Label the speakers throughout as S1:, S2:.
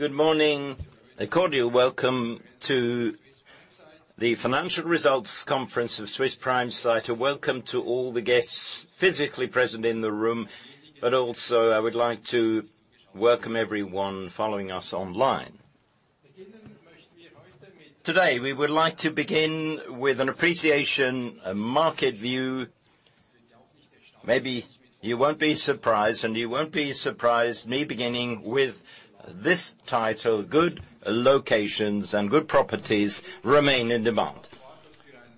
S1: Good morning. A cordial welcome to the financial results conference of Swiss Prime Site. A welcome to all the guests physically present in the room, but also I would like to welcome everyone following us online. Today, we would like to begin with an appreciation, a market view. Maybe you won't be surprised, and you won't be surprised me beginning with this title: Good Locations and Good Properties Remain in Demand.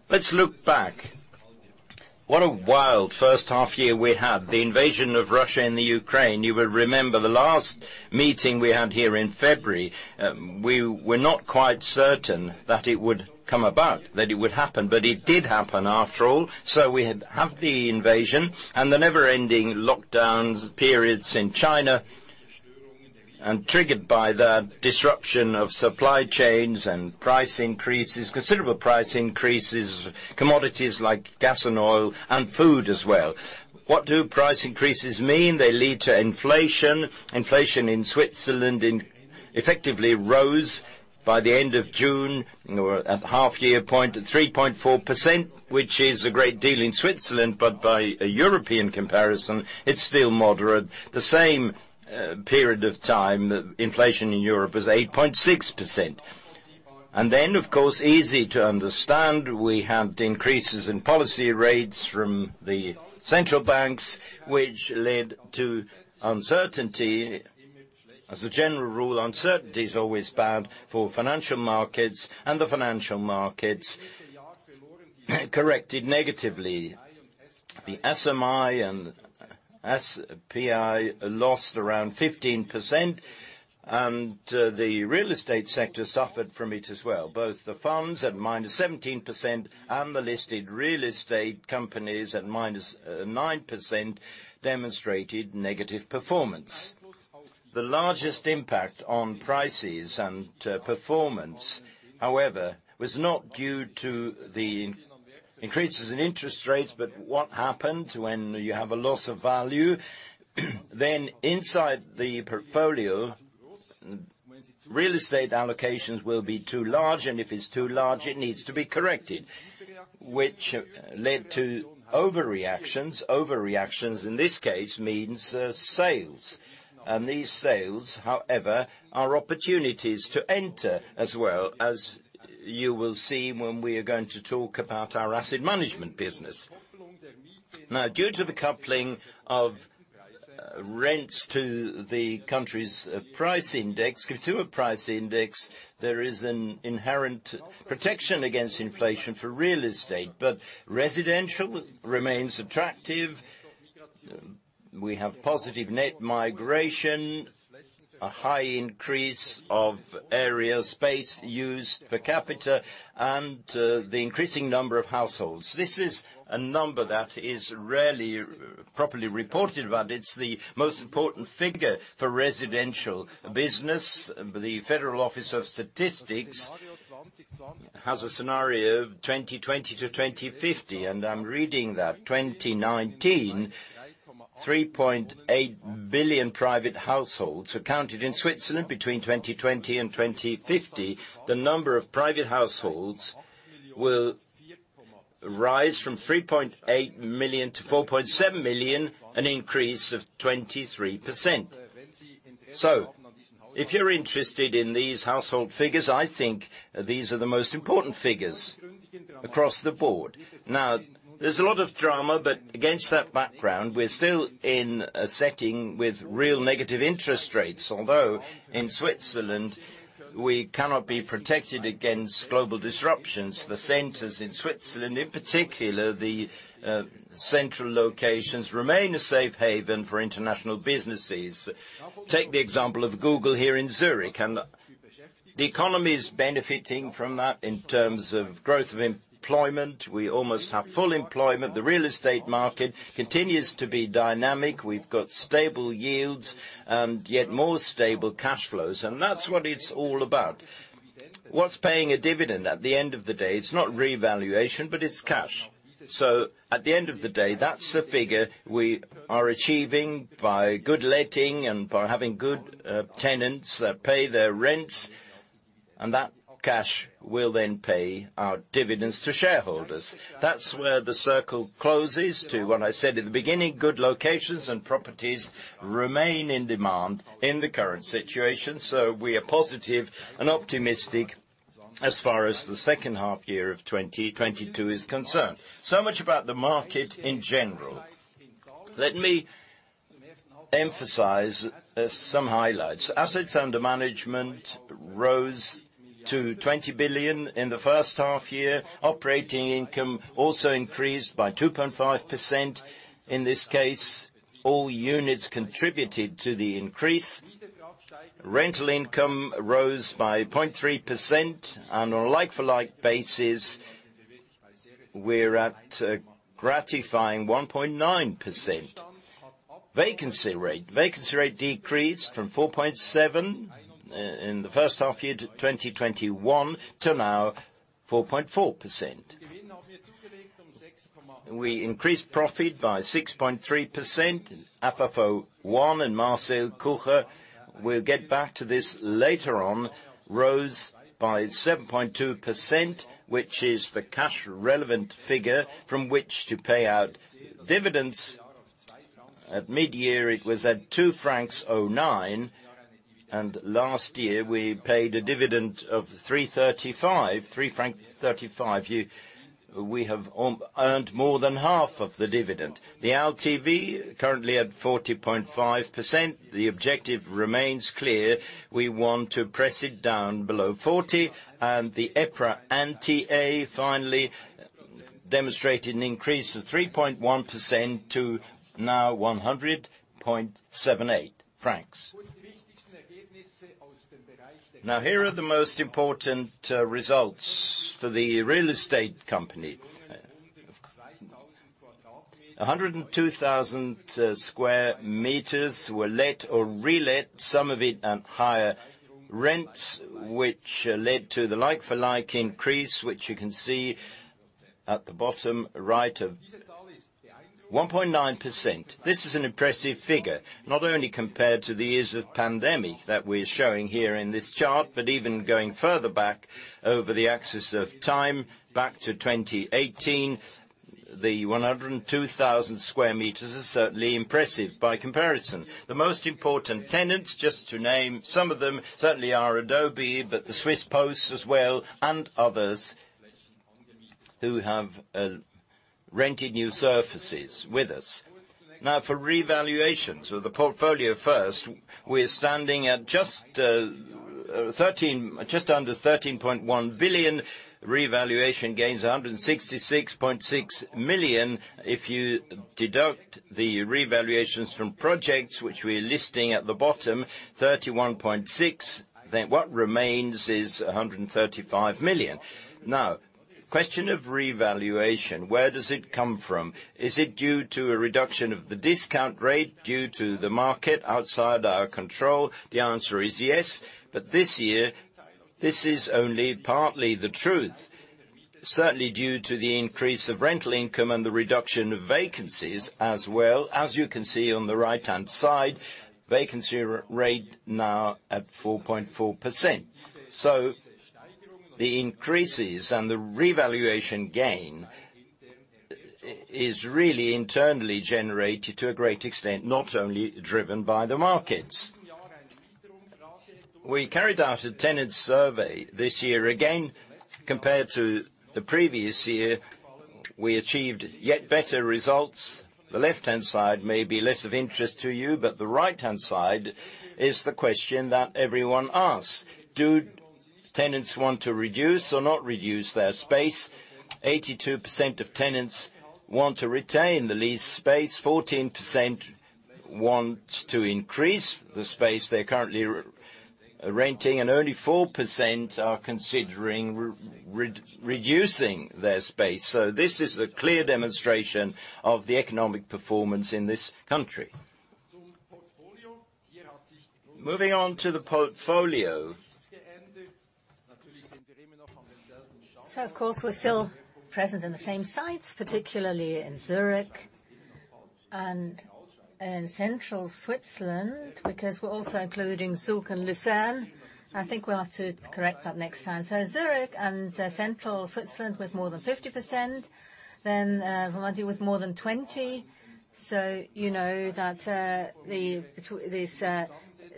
S1: Let's look back. What a wild first half year we had. The invasion of Russia in the Ukraine. You will remember the last meeting we had here in February. We were not quite certain that it would come about, that it would happen, but it did happen after all. We had the invasion and the never-ending lockdowns periods in China, and triggered by the disruption of supply chains and price increases, considerable price increases, commodities like gas and oil and food as well. What do price increases mean? They lead to inflation. Inflation in Switzerland effectively rose by the end of June or at half year point, 3.4%, which is a great deal in Switzerland, but by a European comparison, it's still moderate. The same, period of time, inflation in Europe was 8.6%. Of course, easy to understand, we had increases in policy rates from the central banks, which led to uncertainty. As a general rule, uncertainty is always bad for financial markets, and the financial markets corrected negatively. The SMI and SPI lost around 15%, and, the real estate sector suffered from it as well. Both the funds at -17% and the listed real estate companies at -9% demonstrated negative performance. The largest impact on prices and performance, however, was not due to the increases in interest rates, but what happened when you have a loss of value, then inside the portfolio, real estate allocations will be too large, and if it's too large, it needs to be corrected, which led to overreactions. Overreactions in this case means sales. These sales, however, are opportunities to enter as well, as you will see when we are going to talk about our asset management business. Now, due to the coupling of rents to the country's price index, consumer price index, there is an inherent protection against inflation for real estate. Residential remains attractive. We have positive net migration, a high increase of area, space used per capita, and the increasing number of households. This is a number that is rarely properly reported, but it's the most important figure for residential business. The Federal Statistical Office has a scenario of 2020 to 2050, and I'm reading that. 2019, 3.8 million private households were counted in Switzerland between 2020 and 2050. The number of private households will rise from 3.8 million-4.7 million, an increase of 23%. If you're interested in these household figures, I think these are the most important figures across the board. Now, there's a lot of drama, but against that background, we're still in a setting with real negative interest rates. Although in Switzerland, we cannot be protected against global disruptions. The centers in Switzerland, in particular, the central locations, remain a safe haven for international businesses. Take the example of Google here in Zurich. The economy is benefiting from that in terms of growth of employment. We almost have full employment. The real estate market continues to be dynamic. We've got stable yields, and yet more stable cash flows. That's what it's all about. What's paying a dividend at the end of the day? It's not revaluation, but it's cash. At the end of the day, that's the figure we are achieving by good letting and by having good tenants that pay their rents, and that cash will then pay our dividends to shareholders. That's where the circle closes to what I said at the beginning. Good locations and properties remain in demand in the current situation. We are positive and optimistic as far as the second half year of 2022 is concerned. Much about the market in general. Let me emphasize some highlights. AUM rose to 20 billion in the first half year. Operating income also increased by 2.5%. In this case, all units contributed to the increase. Rental income rose by 0.3%. On a like-for-like basis, we're at a gratifying 1.9%. Vacancy rate decreased from 4.7% in the first half year of 2021 to now 4.4%. We increased profit by 6.3%. FFO I, and Marcel Kucher will get back to this later on, rose by 7.2% which is the cash relevant figure from which to pay out dividends. At mid-year, it was at 2.09 francs, and last year we paid a dividend of 3.35 francs. We have earned more than half of the dividend. The LTV currently at 40.5%. The objective remains clear. We want to press it down below 40%. The EPRA NTA finally demonstrated an increase of 3.1% to now 100.78 francs. Now, here are the most important results for the real estate company. 102,000 square meters were let or re-let, some of it at higher rents, which led to the like-for-like increase, which you can see at the bottom right of 1.9%. This is an impressive figure, not only compared to the years of pandemic that we're showing here in this chart, but even going further back over the axis of time, back to 2018. The 102,000 square meters are certainly impressive by comparison. The most important tenants, just to name some of them, certainly are Adobe, but the Swiss Post as well, and others who have rented new surfaces with us. Now for revaluations of the portfolio first, we're standing at just under 13.1 billion. Revaluation gain is 166.6 million. If you deduct the revaluations from projects which we're listing at the bottom, 31.6 million, then what remains is 135 million. Now, question of revaluation, where does it come from? Is it due to a reduction of the discount rate, due to the market outside our control? The answer is yes. This year, this is only partly the truth. Certainly due to the increase of rental income and the reduction of vacancies as well. As you can see on the right-hand side, vacancy rate now at 4.4%. The increases and the revaluation gain is really internally generated to a great extent, not only driven by the markets. We carried out a tenant survey this year. Again, compared to the previous year, we achieved yet better results. The left-hand side may be less of interest to you, but the right-hand side is the question that everyone asks. Do tenants want to reduce or not reduce their space? 82% of tenants want to retain the lease space. 14% want to increase the space they're currently renting, and only 4% are considering reducing their space. This is a clear demonstration of the economic performance in this country. Moving on to the portfolio. Of course, we're still present in the same sites, particularly in Zurich and in Central Switzerland, because we're also including Zug and Lucerne. I think we'll have to correct that next time. Zurich and Central Switzerland with more than 50%, then, Romandy with more than 20%. You know that, this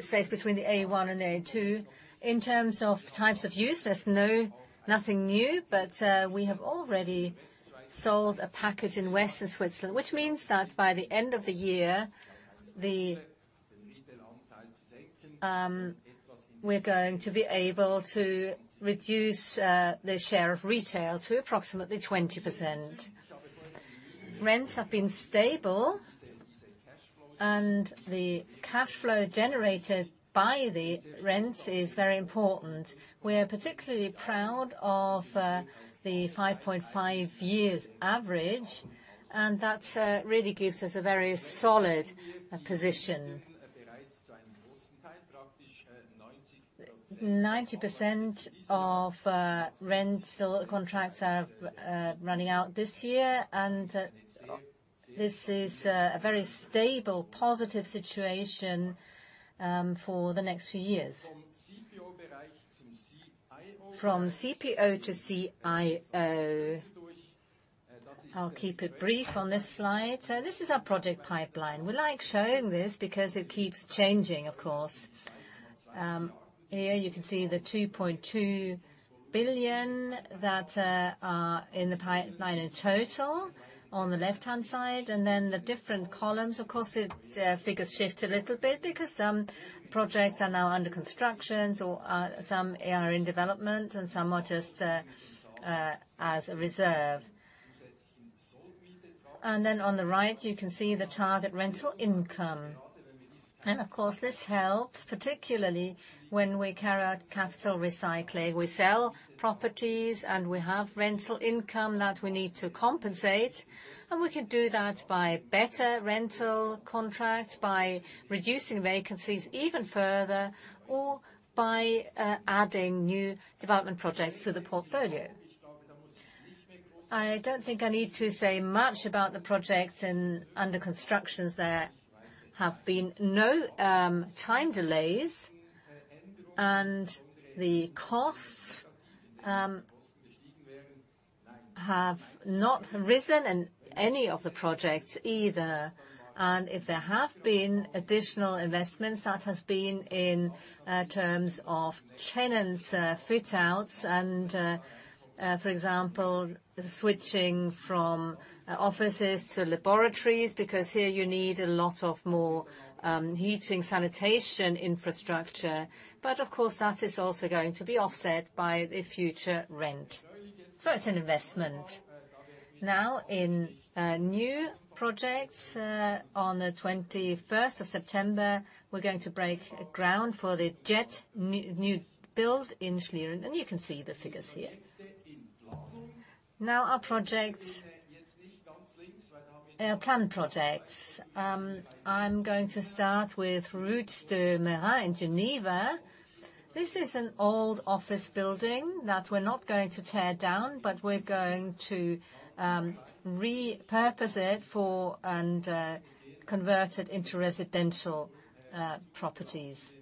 S1: space between the A1 and A2. In terms of types of use, there's nothing new, but, we have already sold a package in Western Switzerland, which means that by the end of the year, we're going to be able to reduce the share of retail to approximately 20%. Rents have been stable, and the cash flow generated by the rents is very important. We are particularly proud of the 5.5 years average, and that really gives us a very solid position. 90% of rental contracts are running out this year, and this is a very stable, positive situation for the next few years. From CPO to CIO. I'll keep it brief on this slide. This is our project pipeline. We like showing this because it keeps changing, of course. Here you can see the 2.2 billion that are in the pipeline in total on the left-hand side. The different columns, of course, the figures shift a little bit because some projects are now under construction or some are in development and some are just as a reserve. On the right, you can see the target rental income. Of course, this helps, particularly when we carry out capital recycling. We sell properties and we have rental income that we need to compensate, and we can do that by better rental contracts, by reducing vacancies even further or by adding new development projects to the portfolio. I don't think I need to say much about the projects under construction. There have been no time delays, and the costs have not risen in any of the projects either. If there have been additional investments, that has been in terms of tenant fit-outs and, for example, switching from offices to laboratories, because here you need a lot more heating, sanitation infrastructure. Of course, that is also going to be offset by the future rent. It's an investment. Now in new projects, on the 21st of September, we're going to break ground for the JED new build in Schlieren, and you can see the figures here. Now our projects, our planned projects. I'm going to start with Route de Meyrin in Geneva. This is an old office building that we're not going to tear down, but we're going to repurpose it and convert it into residential properties.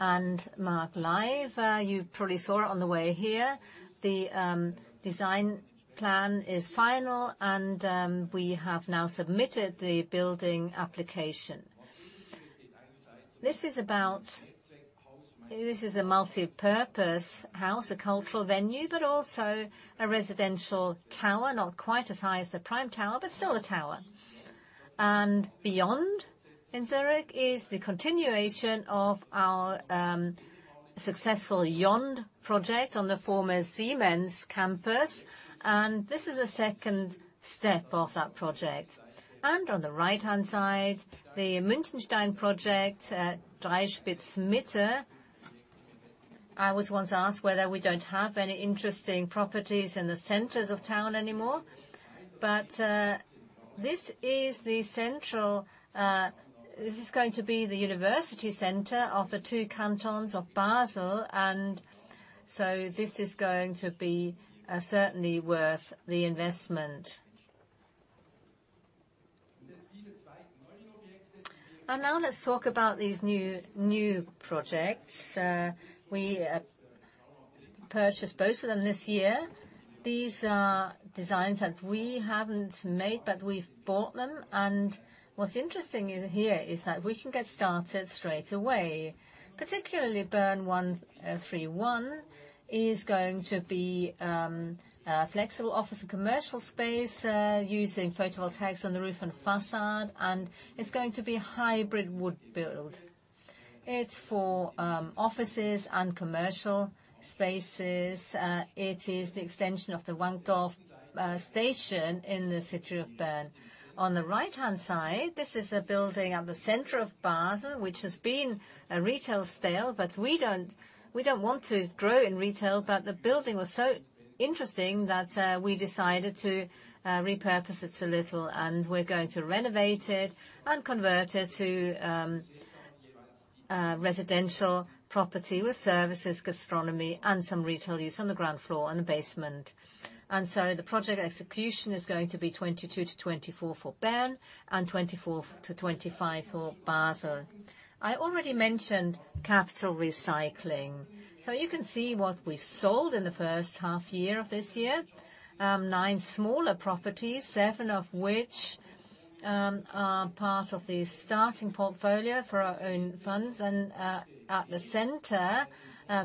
S1: MAAG Areal, you probably saw it on the way here, the design plan is final and we have now submitted the building application. This is a multipurpose house, a cultural venue, but also a residential tower, not quite as high as the Prime Tower, but still a tower. Beyond in Zurich is the continuation of our successful Yond project on the former Siemens campus, and this is a second step of that project. On the right-hand side, the Münchenstein project at Dreispitz Mitte. I was once asked whether we don't have any interesting properties in the centers of town anymore. This is the central, this is going to be the university center of the two cantons of Basel. This is going to be certainly worth the investment. Now let's talk about these new projects. We purchased both of them this year. These are designs that we haven't made, but we've bought them. What's interesting here is that we can get started straight away. Particularly Bern 131 is going to be a flexible office and commercial space using photovoltaics on the roof and facade, and it's going to be a hybrid wood build. It's for offices and commercial spaces. It is the extension of the Wankdorf station in the city of Bern. On the right-hand side, this is a building at the center of Basel, which has been a retail space, but we don't want to grow in retail. The building was so interesting that we decided to repurpose it a little, and we're going to renovate it and convert it to residential property with services, gastronomy, and some retail use on the ground floor and the basement. The project execution is going to be 2022-2024 for Bern and 2024-2025 for Basel. I already mentioned capital recycling. You can see what we've sold in the first half year of this year, nine smaller properties, seven of which are part of the starting portfolio for our own funds. At the center,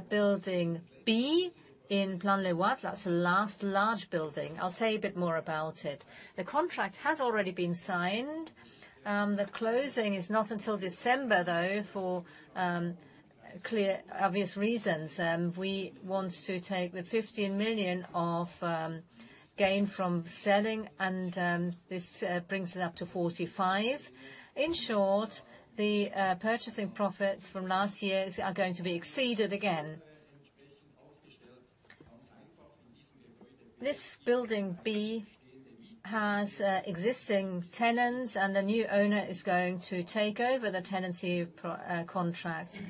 S1: building B in Plan-les-Ouates, that's the last large building. I'll say a bit more about it. The contract has already been signed. The closing is not until December, though, for clear, obvious reasons. We want to take the 15 million of gain from selling, and this brings it up to 45. In short, the purchasing profits from last year's are going to be exceeded again. This building B has existing tenants, and the new owner is going to take over the tenancy contract.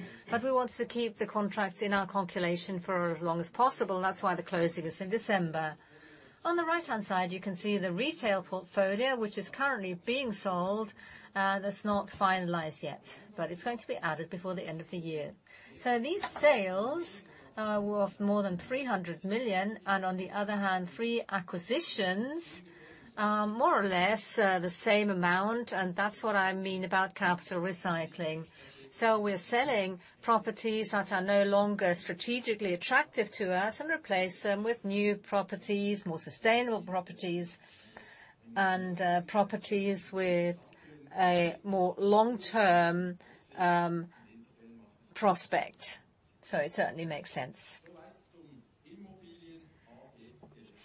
S1: We want to keep the contracts in our calculation for as long as possible. That's why the closing is in December. On the right-hand side, you can see the retail portfolio, which is currently being sold. That's not finalized yet, but it's going to be added before the end of the year. These sales were of more than 300 million, and on the other hand, three acquisitions are more or less the same amount. That's what I mean about capital recycling. We're selling properties that are no longer strategically attractive to us and replace them with new properties, more sustainable properties, and properties with a more long-term prospect. It certainly makes sense.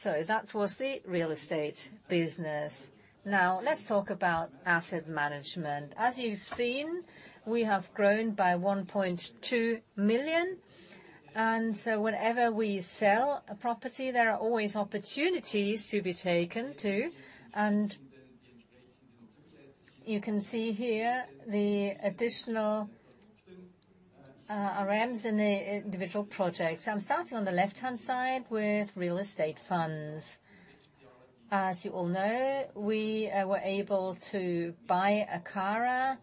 S1: That was the real estate business. Now let's talk about asset management. As you've seen, we have grown by 1.2 million. Whenever we sell a property, there are always opportunities to be taken too. You can see here the additional AUMs in the individual projects. I'm starting on the left-hand side with real estate funds. As you all know, we were able to buy Akara,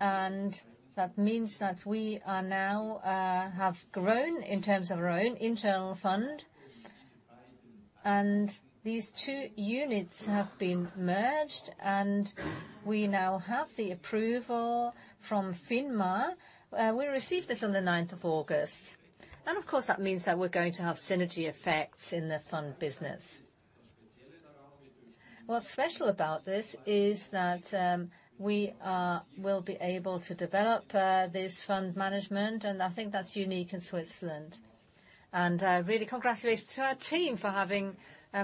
S1: and that means that we have grown in terms of our own internal fund. These two units have been merged, and we now have the approval from FINMA. We received this on the ninth of August. Of course, that means that we're going to have synergy effects in the fund business. What's special about this is that we will be able to develop this fund management, and I think that's unique in Switzerland. Really congratulations to our team for having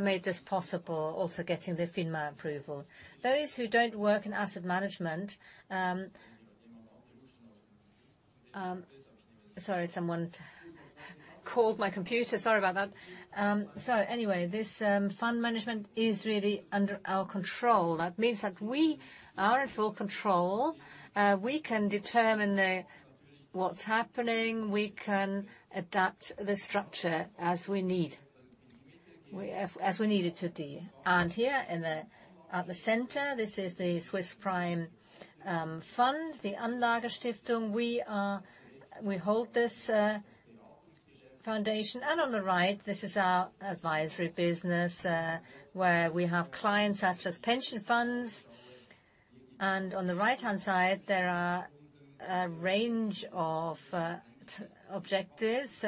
S1: made this possible, also getting the FINMA approval. Those who don't work in asset management. Sorry, someone called my computer. Sorry about that. Fund management is really under our control. That means that we are in full control. We can determine what's happening. We can adapt the structure as we need it to be. Here at the center, this is the Swiss Prime Anlagestiftung. We hold this foundation. On the right, this is our advisory business, where we have clients such as pension funds. On the right-hand side, there are a range of the objectives.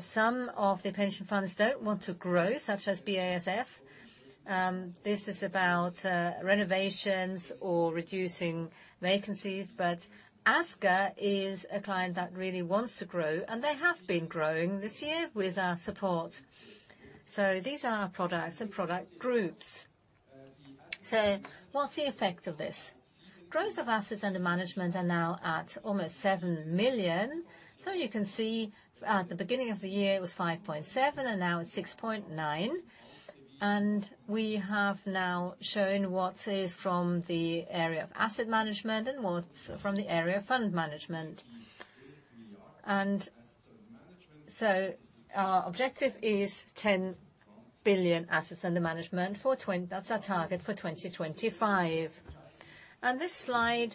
S1: Some of the pension funds don't want to grow, such as BASF. This is about renovations or reducing vacancies. ASGA is a client that really wants to grow, and they have been growing this year with our support. These are products and product groups. What's the effect of this? Growth of assets under management are now at almost 7 billion. You can see at the beginning of the year, it was 5.7 billion, and now it's 6.9 billion. We have now shown what is from the area of asset management and what's from the area of fund management. Our objective is 10 billion assets under management. That's our target for 2025. This slide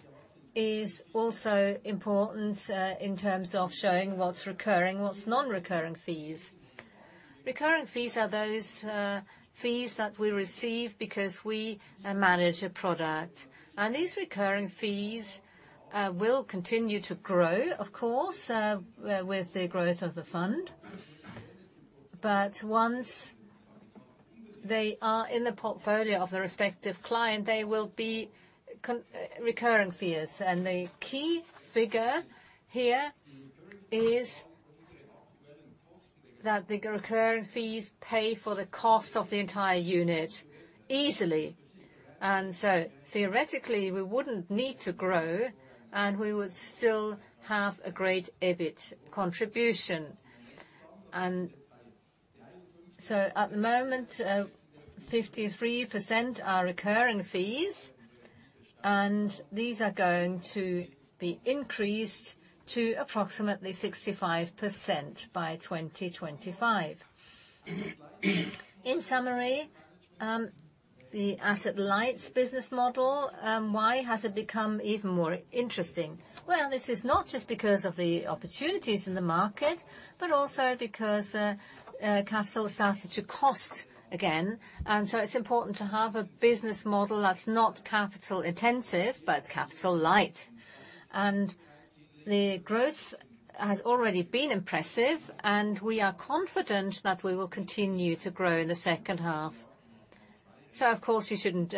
S1: is also important in terms of showing what's recurring, what's non-recurring fees. Recurring fees are those fees that we receive because we manage a product. These recurring fees will continue to grow, of course, with the growth of the fund. Once they are in the portfolio of the respective client, they will be recurring fees. The key figure here is that the recurring fees pay for the cost of the entire unit easily. Theoretically, we wouldn't need to grow, and we would still have a great EBIT contribution. At the moment, 53% are recurring fees, and these are going to be increased to approximately 65% by 2025. In summary, the asset-light business model, why has it become even more interesting? Well, this is not just because of the opportunities in the market, but also because capital started to cost again. It's important to have a business model that's not capital-intensive, but capital-light. The growth has already been impressive, and we are confident that we will continue to grow in the second half. Of course, you shouldn't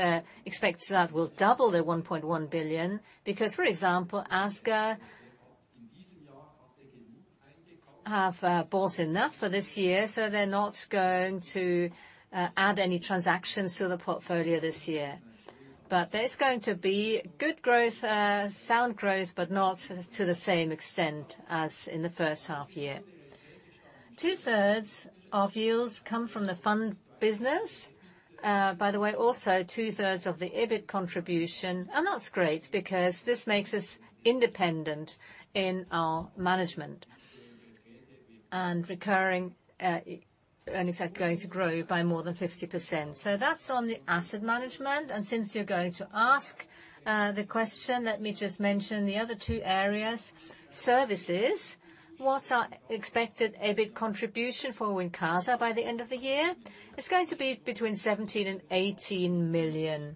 S1: expect that we'll double the 1.1 billion because, for example, ASGA have bought enough for this year, so they're not going to add any transactions to the portfolio this year. There's going to be good growth, sound growth, but not to the same extent as in the first half year. Two-thirds of yields come from the fund business. By the way, also two-thirds of the EBIT contribution, and that's great because this makes us independent in our management. Recurring, and is that going to grow by more than 50%. That's on the asset management. Since you're going to ask the question, let me just mention the other two areas. Services. What are expected EBIT contribution for Wincasa by the end of the year? It's going to be between 17 million and 18 million.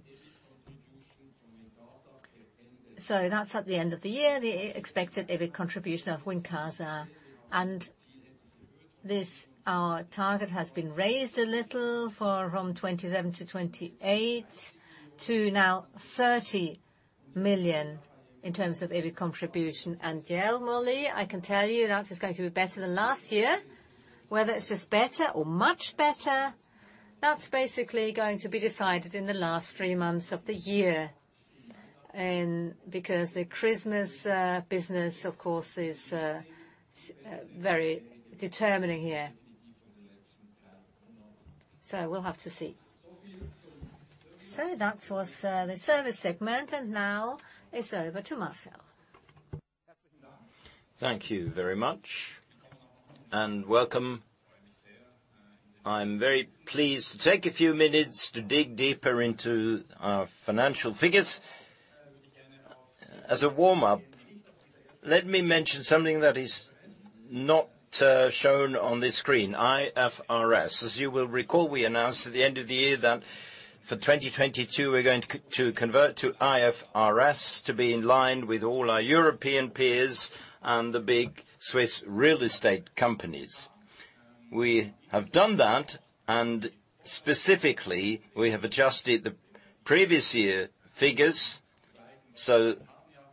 S1: That's at the end of the year, the expected EBIT contribution of Wincasa. This, our target has been raised a little from 27 million-28 million to now 30 million in terms of EBIT contribution. Jelmoli, I can tell you that is going to be better than last year. Whether it's just better or much better, that's basically going to be decided in the last three months of the year. Because the Christmas business, of course, is very determining here. We'll have to see. That was the service segment, and now it's over to Marcel.
S2: Thank you very much, and welcome. I'm very pleased to take a few minutes to dig deeper into our financial figures. As a warm-up, let me mention something that is not shown on this screen, IFRS. As you will recall, we announced at the end of the year that for 2022, we're going to convert to IFRS to be in line with all our European peers and the big Swiss real estate companies. We have done that, and specifically, we have adjusted the previous year figures.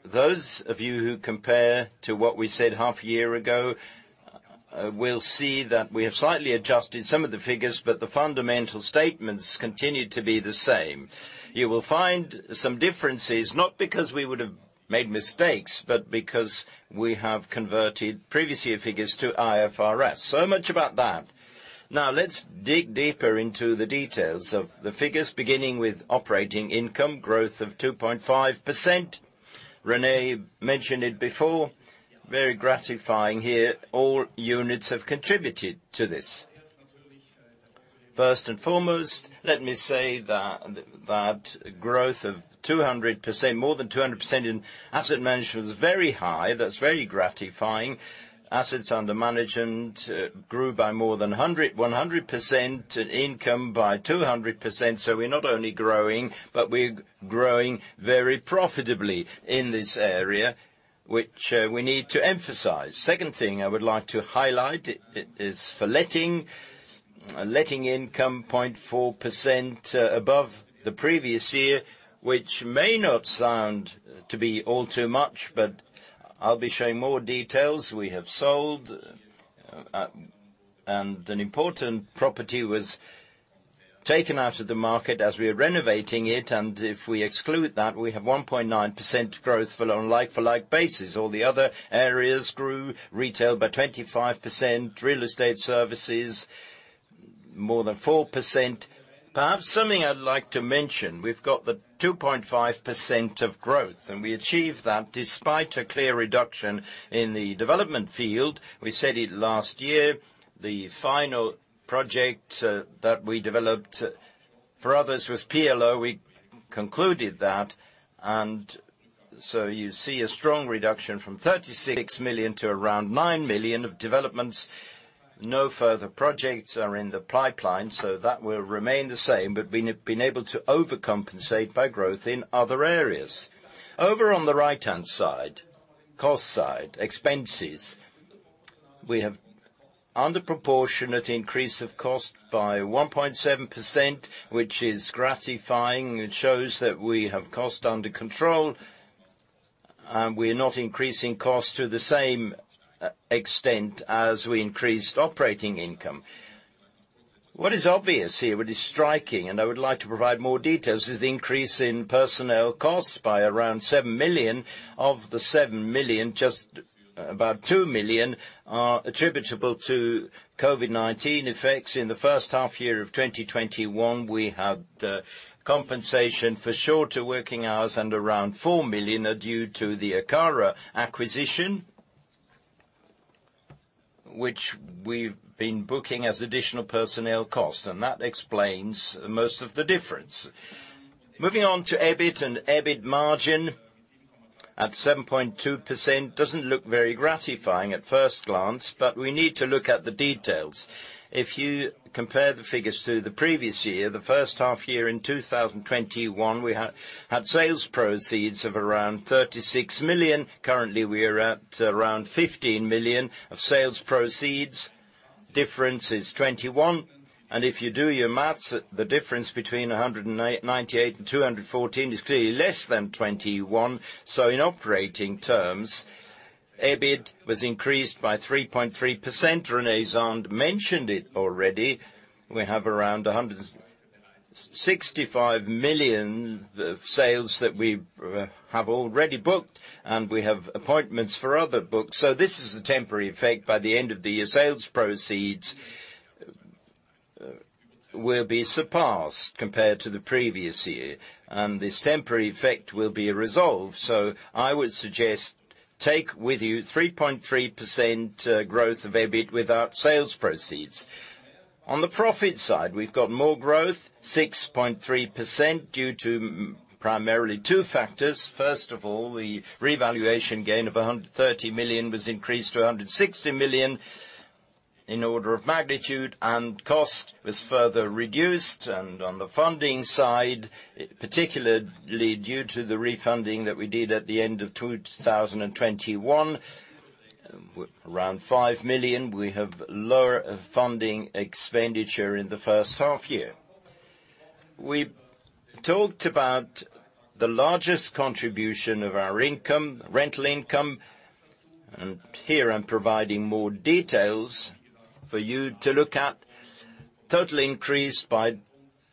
S2: Those of you who compare to what we said half year ago will see that we have slightly adjusted some of the figures, but the fundamental statements continue to be the same. You will find some differences, not because we would've made mistakes, but because we have converted previous year figures to IFRS. Much about that. Now, let's dig deeper into the details of the figures, beginning with operating income growth of 2.5%. René mentioned it before. Very gratifying here. All units have contributed to this. First and foremost, let me say that growth of 200%, more than 200% in asset management is very high. That's very gratifying. Assets under management grew by more than 100%, and income by 200%. We're not only growing, but we're growing very profitably in this area, which, we need to emphasize. Second thing I would like to highlight is for letting. Letting income 0.4% above the previous year, which may not sound to be all too much, but I'll be showing more details. We have sold, and an important property was taken out of the market as we are renovating it. If we exclude that, we have 1.9% growth on a like-for-like basis. All the other areas grew, retail by 25%, real estate services more than 4%. Perhaps something I'd like to mention, we've got the 2.5% of growth, and we achieved that despite a clear reduction in the development field. We said it last year. The final project that we developed for others was Plan-les-Ouates. We concluded that. You see a strong reduction from 36 million to around 9 million of developments. No further projects are in the pipeline, so that will remain the same. We've been able to overcompensate by growth in other areas. Over on the right-hand side, cost side, expenses. We have under-proportionate increase of cost by 1.7%, which is gratifying. It shows that we have costs under control, and we're not increasing costs to the same extent as we increased operating income. What is obvious here, what is striking, and I would like to provide more details, is the increase in personnel costs by around 7 million. Of the 7 million, just about 2 million are attributable to COVID-19 effects. In the first half year of 2021, we had compensation for shorter working hours, and around 4 million are due to the Akara acquisition, which we've been booking as additional personnel costs. That explains most of the difference. Moving on to EBIT and EBIT margin at 7.2% doesn't look very gratifying at first glance, but we need to look at the details. If you compare the figures to the previous year, the first half year in 2021, we had sales proceeds of around 36 million. Currently, we are at around 15 million of sales proceeds. Difference is 21. If you do your math, the difference between 198 and 214 is clearly less than 21. In operating terms, EBIT was increased by 3.3%. René Zahnd mentioned it already. We have around 165 million of sales that we have already booked, and we have appointments for other bookings. This is a temporary effect. By the end of the year, sales proceeds will surpass compared to the previous year, and this temporary effect will be resolved. I would suggest take with you 3.3% growth of EBIT without sales proceeds. On the profit side, we've got more growth, 6.3%, due to primarily two factors. First of all, the revaluation gain of 130 million was increased to 160 million in order of magnitude, and cost was further reduced. On the funding side, particularly due to the refunding that we did at the end of 2021, around 5 million, we have lower funding expenditure in the first half year. We talked about the largest contribution of our income, rental income, and here I'm providing more details for you to look at. Total increase by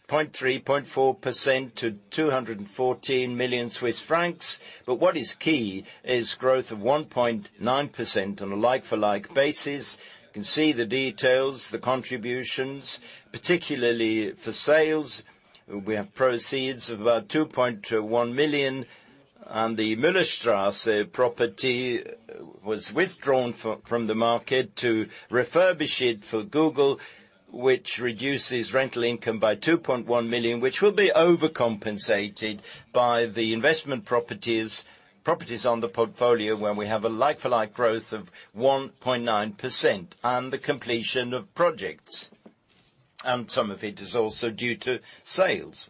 S2: 0.3-0.4% to 214 million Swiss francs. What is key is growth of 1.9% on a like-for-like basis. You can see the details, the contributions, particularly for sales. We have proceeds of about 2.1 million. The Müllerstrasse property was withdrawn from the market to refurbish it for Google, which reduces rental income by 2.1 million, which will be over-compensated by the investment properties on the portfolio when we have a like-for-like growth of 1.9% and the completion of projects. Some of it is also due to sales.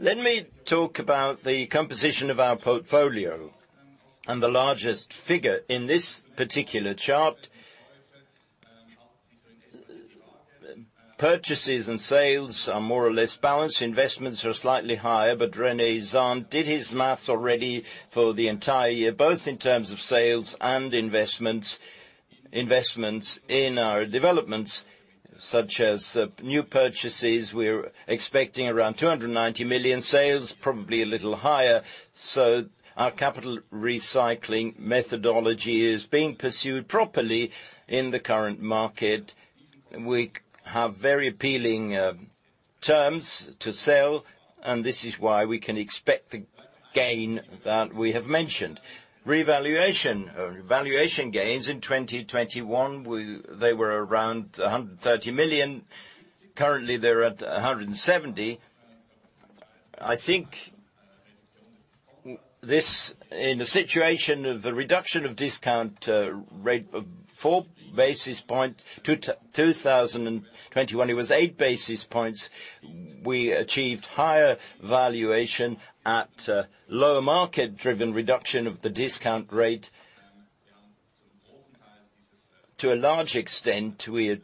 S2: Let me talk about the composition of our portfolio and the largest figure in this particular chart. Purchases and sales are more or less balanced. Investments are slightly higher, but René Zahnd did his math already for the entire year, both in terms of sales and investments in our developments, such as new purchases. We're expecting around 290 million sales, probably a little higher. Our capital recycling methodology is being pursued properly in the current market. We have very appealing terms to sell, and this is why we can expect the gain that we have mentioned. Revaluation, or valuation gains in 2021, they were around 130 million. Currently, they're at 170 million. I think this in a situation of the reduction of discount rate of 4 basis points. In 2021, it was 8 basis points. We achieved higher valuation at low market driven reduction of the discount rate. To a large extent, we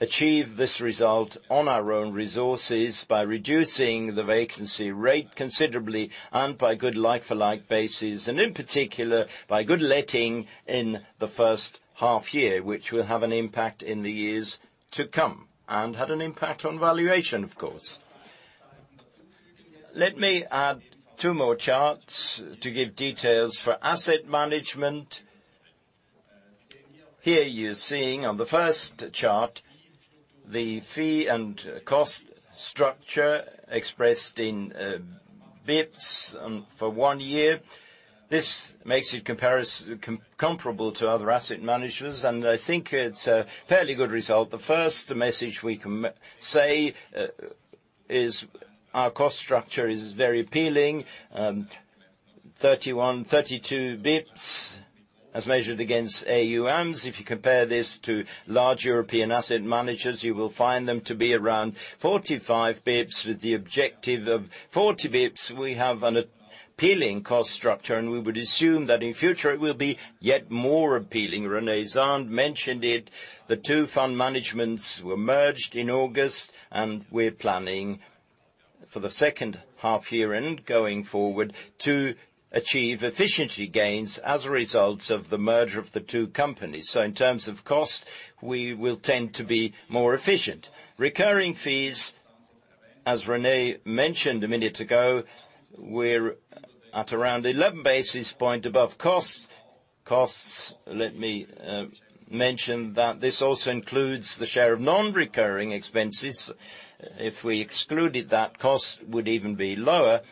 S2: achieve this result on our own resources by reducing the vacancy rate considerably and by good like-for-like basis, and in particular, by good letting in the first half year, which will have an impact in the years to come and had an impact on valuation, of course. Let me add two more charts to give details for asset management. Here you're seeing on the first chart, the fee and cost structure expressed in bips for one year. This makes it comparable to other asset managers, and I think it's a fairly good result. The first message we can say is our cost structure is very appealing, 31-32 bips, as measured against AUM. If you compare this to large European asset managers, you will find them to be around 45 bips with the objective of 40 bips. We have an appealing cost structure, and we would assume that in future, it will be yet more appealing. René Zahnd mentioned it. The two fund managements were merged in August, and we're planning for the second half year and going forward to achieve efficiency gains as a result of the merger of the two companies. In terms of cost, we will tend to be more efficient. Recurring fees, as René mentioned a minute ago, we're at around 11 basis points above costs. Let me mention that this also includes the share of non-recurring expenses. If we excluded that, costs would even be lower.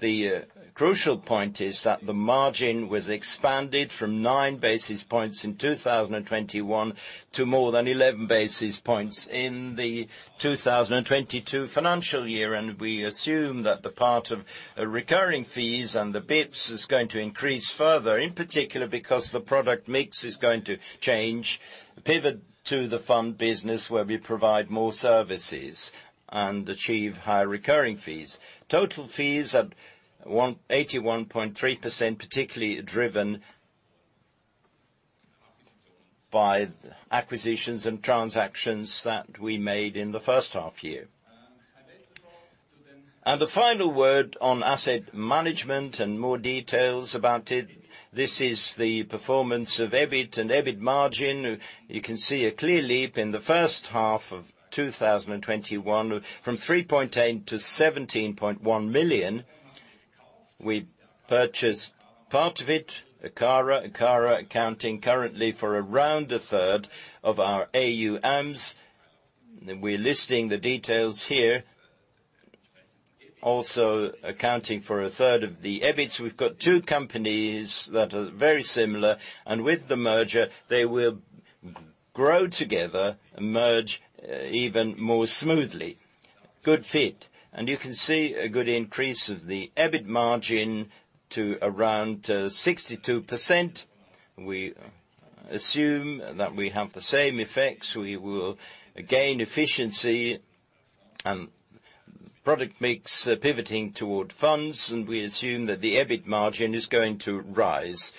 S2: The crucial point is that the margin was expanded from 9 basis points in 2021 to more than 11 basis points in the 2022 financial year. We assume that the part of recurring fees and the bips is going to increase further, in particular, because the product mix is going to change, pivot to the fund business, where we provide more services and achieve higher recurring fees. Total fees at 181.3%, particularly driven by acquisitions and transactions that we made in the first half year. The final word on asset management and more details about it. This is the performance of EBIT and EBIT margin. You can see a clear leap in the first half of 2021 from 3.8 million-17.1 million. We purchased part of it, Akara. Akara accounting currently for around a third of our AUM. We're listing the details here. Also, accounting for a third of the EBITs, we've got two companies that are very similar. With the merger, they will grow together, merge, even more smoothly. Good fit. You can see a good increase of the EBIT margin to around 62%. We assume that we have the same effects. We will gain efficiency and product mix pivoting toward funds. We assume that the EBIT margin is going to rise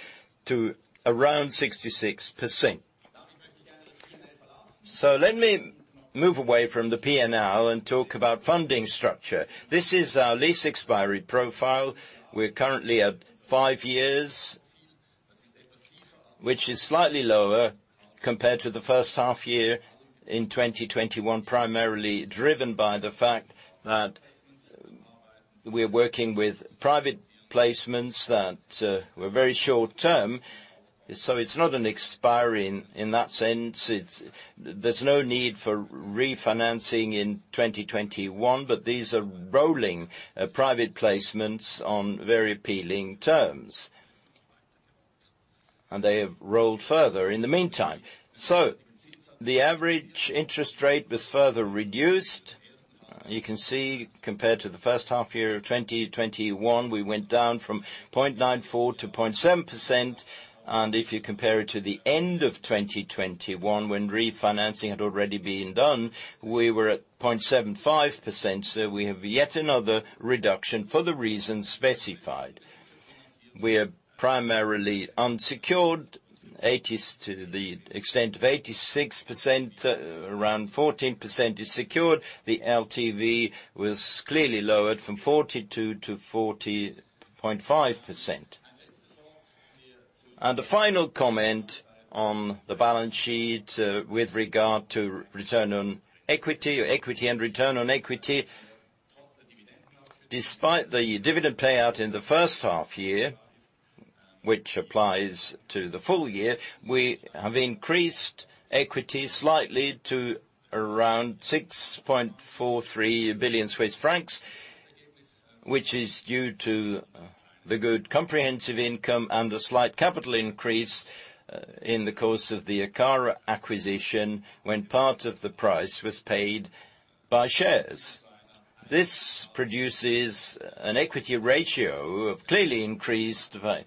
S2: to around 66%. Let me move away from the P&L and talk about funding structure. This is our lease expiry profile. We're currently at five years, which is slightly lower compared to the first half year in 2021, primarily driven by the fact that we're working with private placements that were very short-term. It's not an expiry in that sense. There's no need for refinancing in 2021, but these are rolling private placements on very appealing terms. They have rolled further in the meantime. The average interest rate was further reduced. You can see compared to the first half year of 2021, we went down from 0.94%-0.7%. If you compare it to the end of 2021, when refinancing had already been done, we were at 0.75%. We have yet another reduction for the reasons specified. We are primarily unsecured, i.e., to the extent of 86%. Around 14% is secured. The LTV was clearly lowered from 42%-40.5%. A final comment on the balance sheet with regard to return on equity and return on equity. Despite the dividend payout in the first half year, which applies to the full year, we have increased equity slightly to around 6.43 billion Swiss francs, which is due to the good comprehensive income and a slight capital increase in the course of the Akara acquisition, when part of the price was paid by shares. This produces an equity ratio of clearly increased by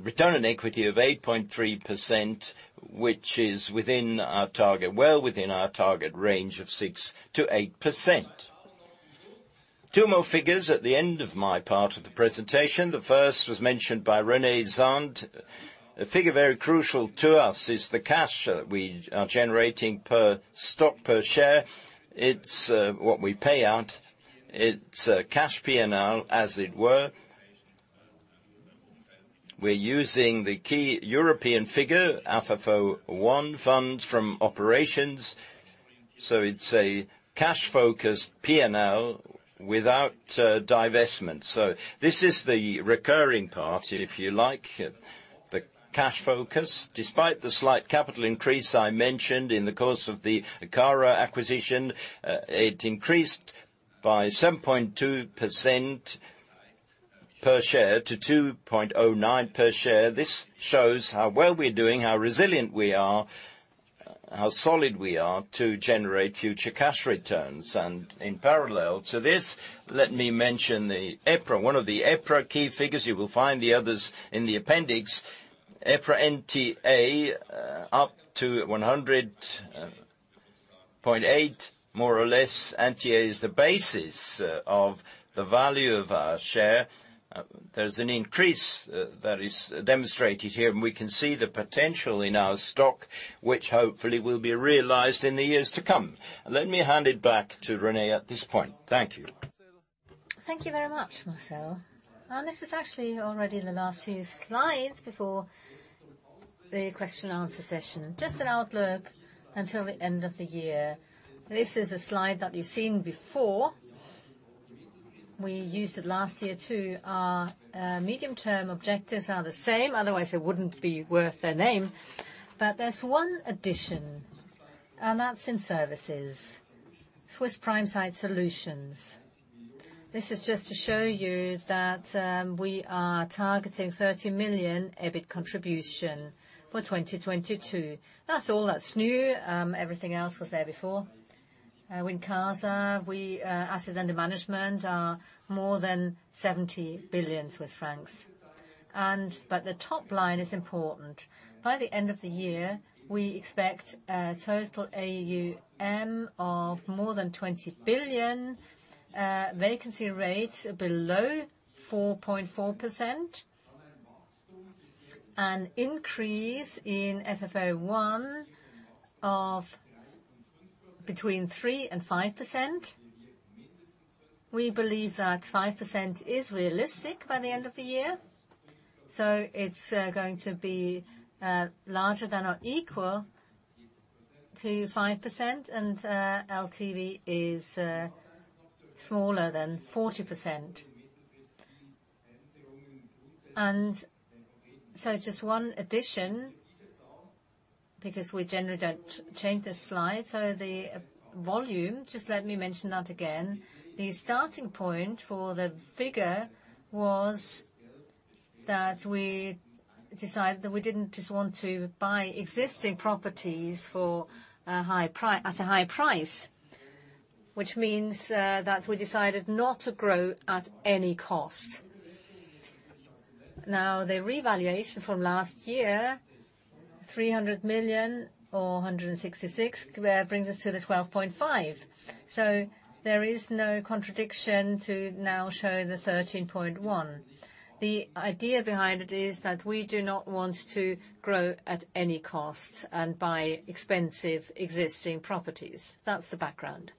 S2: return on equity of 8.3%, which is within our target, well within our target range of 6%-8%. Two more figures at the end of my part of the presentation. The first was mentioned by René Zahnd. A figure very crucial to us is the cash we are generating per stock per share. It's what we pay out. It's cash P&L, as it were. We're using the key European figure, FFO I funds from operations. It's a cash-focused P&L without divestment. This is the recurring part, if you like, the cash focus. Despite the slight capital increase I mentioned in the course of the Akara acquisition, it increased by 7.2% per share to 2.09 per share. This shows how well we're doing, how resilient we are, how solid we are to generate future cash returns. In parallel to this, let me mention the EPRA. One of the EPRA key figures, you will find the others in the appendix. EPRA NTA up to 100.8, more or less. NTA is the basis of the value of our share. There's an increase that is demonstrated here, and we can see the potential in our stock, which hopefully will be realized in the years to come. Let me hand it back to René at this point. Thank you.
S1: Thank you very much, Marcel. This is actually already the last few slides before the question answer session. Just an outlook until the end of the year. This is a slide that you've seen before. We used it last year, too. Our medium-term objectives are the same. Otherwise, they wouldn't be worth their name. There's one addition, and that's in services, Swiss Prime Site Solutions. This is just to show you that, we are targeting 30 million EBIT contribution for 2022. That's all that's new. Everything else was there before. Wincasa, we, assets under management are more than 70 billion francs. The top line is important. By the end of the year, we expect a total AUM of more than 20 billion, vacancy rates below 4.4%, an increase in FFO I of between 3% and 5%. We believe that 5% is realistic by the end of the year. It's going to be larger than or equal to 5%, and LTV is smaller than 40%. Just one addition, because we generally don't change this slide. The volume, just let me mention that again. The starting point for the figure was that we decided that we didn't just want to buy existing properties at a high price, which means that we decided not to grow at any cost. Now, the revaluation from last year, 300 million or 166 million, which brings us to the 12.5. There is no contradiction to now showing the 13.1. The idea behind it is that we do not want to grow at any cost and buy expensive existing properties. That's the background.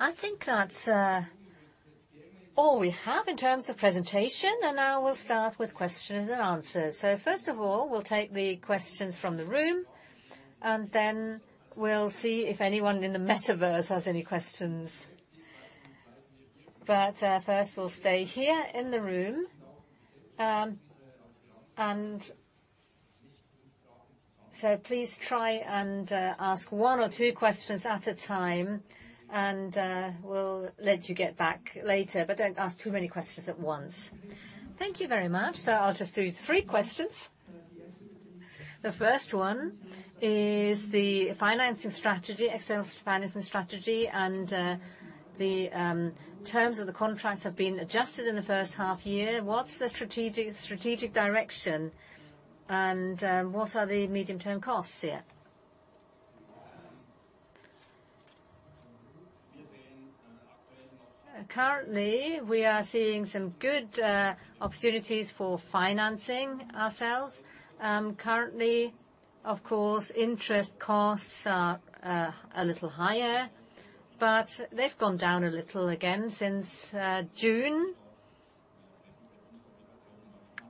S1: I think that's all we have in terms of presentation. Now we'll start with questions and answers. First of all, we'll take the questions from the room, and then we'll see if anyone in the metaverse has any questions. First, we'll stay here in the room. Please try and ask one or two questions at a time, and we'll let you get back later. Don't ask too many questions at once.
S3: Thank you very much. I'll just do three questions. The first one is the financing strategy, external financing strategy, and the terms of the contracts have been adjusted in the first half year. What's the strategic direction, and what are the medium-term costs here?
S1: Currently, we are seeing some good opportunities for financing ourselves. Currently, of course, interest costs are a little higher, but they've gone down a little again since June.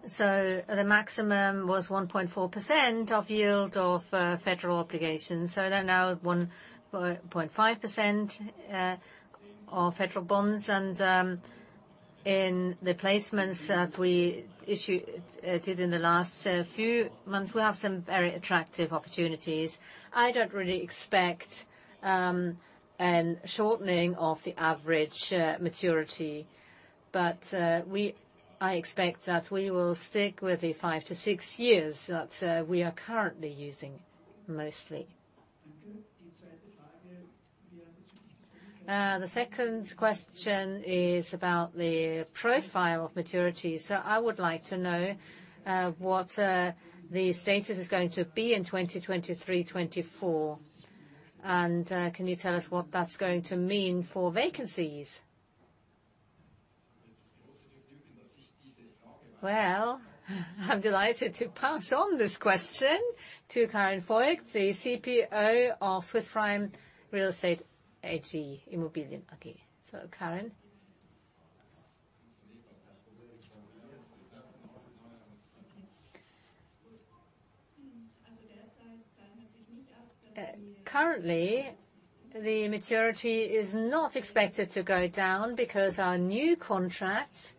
S1: The maximum was 1.4% yield of federal obligations. They're now 1.5% of federal bonds. In the placements that we did in the last few months, we have some very attractive opportunities. I don't really expect a shortening of the average maturity, but I expect that we will stick with the 5-6 years that we are currently using mostly.
S3: The second question is about the profile of maturities. I would like to know what the status is going to be in 2023, 2024, and can you tell us what that's going to mean for vacancies?
S1: Well, I'm delighted to pass on this question to Karin Voigt, the CPO of Swiss Prime Site Immobilien AG. Karin.
S4: Currently, the maturity is not expected to go down because our new contracts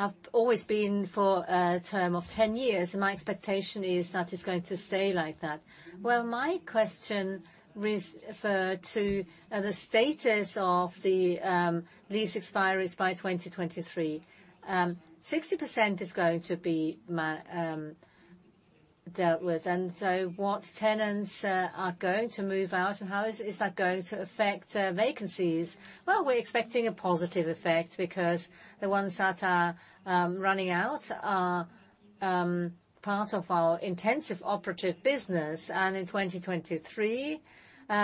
S4: have always been for a term of 10 years. My expectation is that it's going to stay like that.
S3: Well, my question referred to the status of the lease expiries by 2023. Sixty percent is going to be dealt with and so what tenants are going to move out, and how is that going to affect vacancies?
S4: Well, we're expecting a positive effect because the ones that are running out are part of our intensive operative business. In 2023,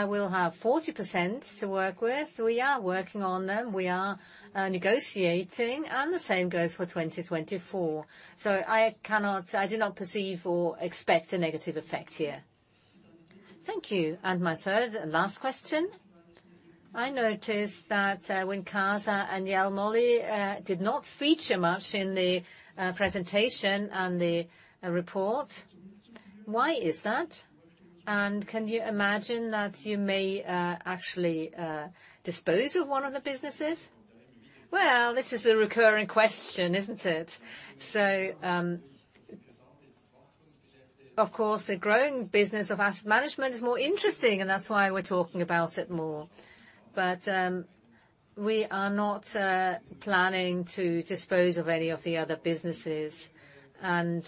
S4: we'll have 40% to work with. We are working on them. We are negotiating, and the same goes for 2024. I do not perceive or expect a negative effect here.
S3: Thank you. My third and last question, I noticed that Wincasa and Jelmoli did not feature much in the presentation and the report. Why is that? Can you imagine that you may, actually, dispose of one of the businesses?
S1: Well, this is a recurring question, isn't it? Of course, the growing business of asset management is more interesting, and that's why we're talking about it more. We are not planning to dispose of any of the other businesses. At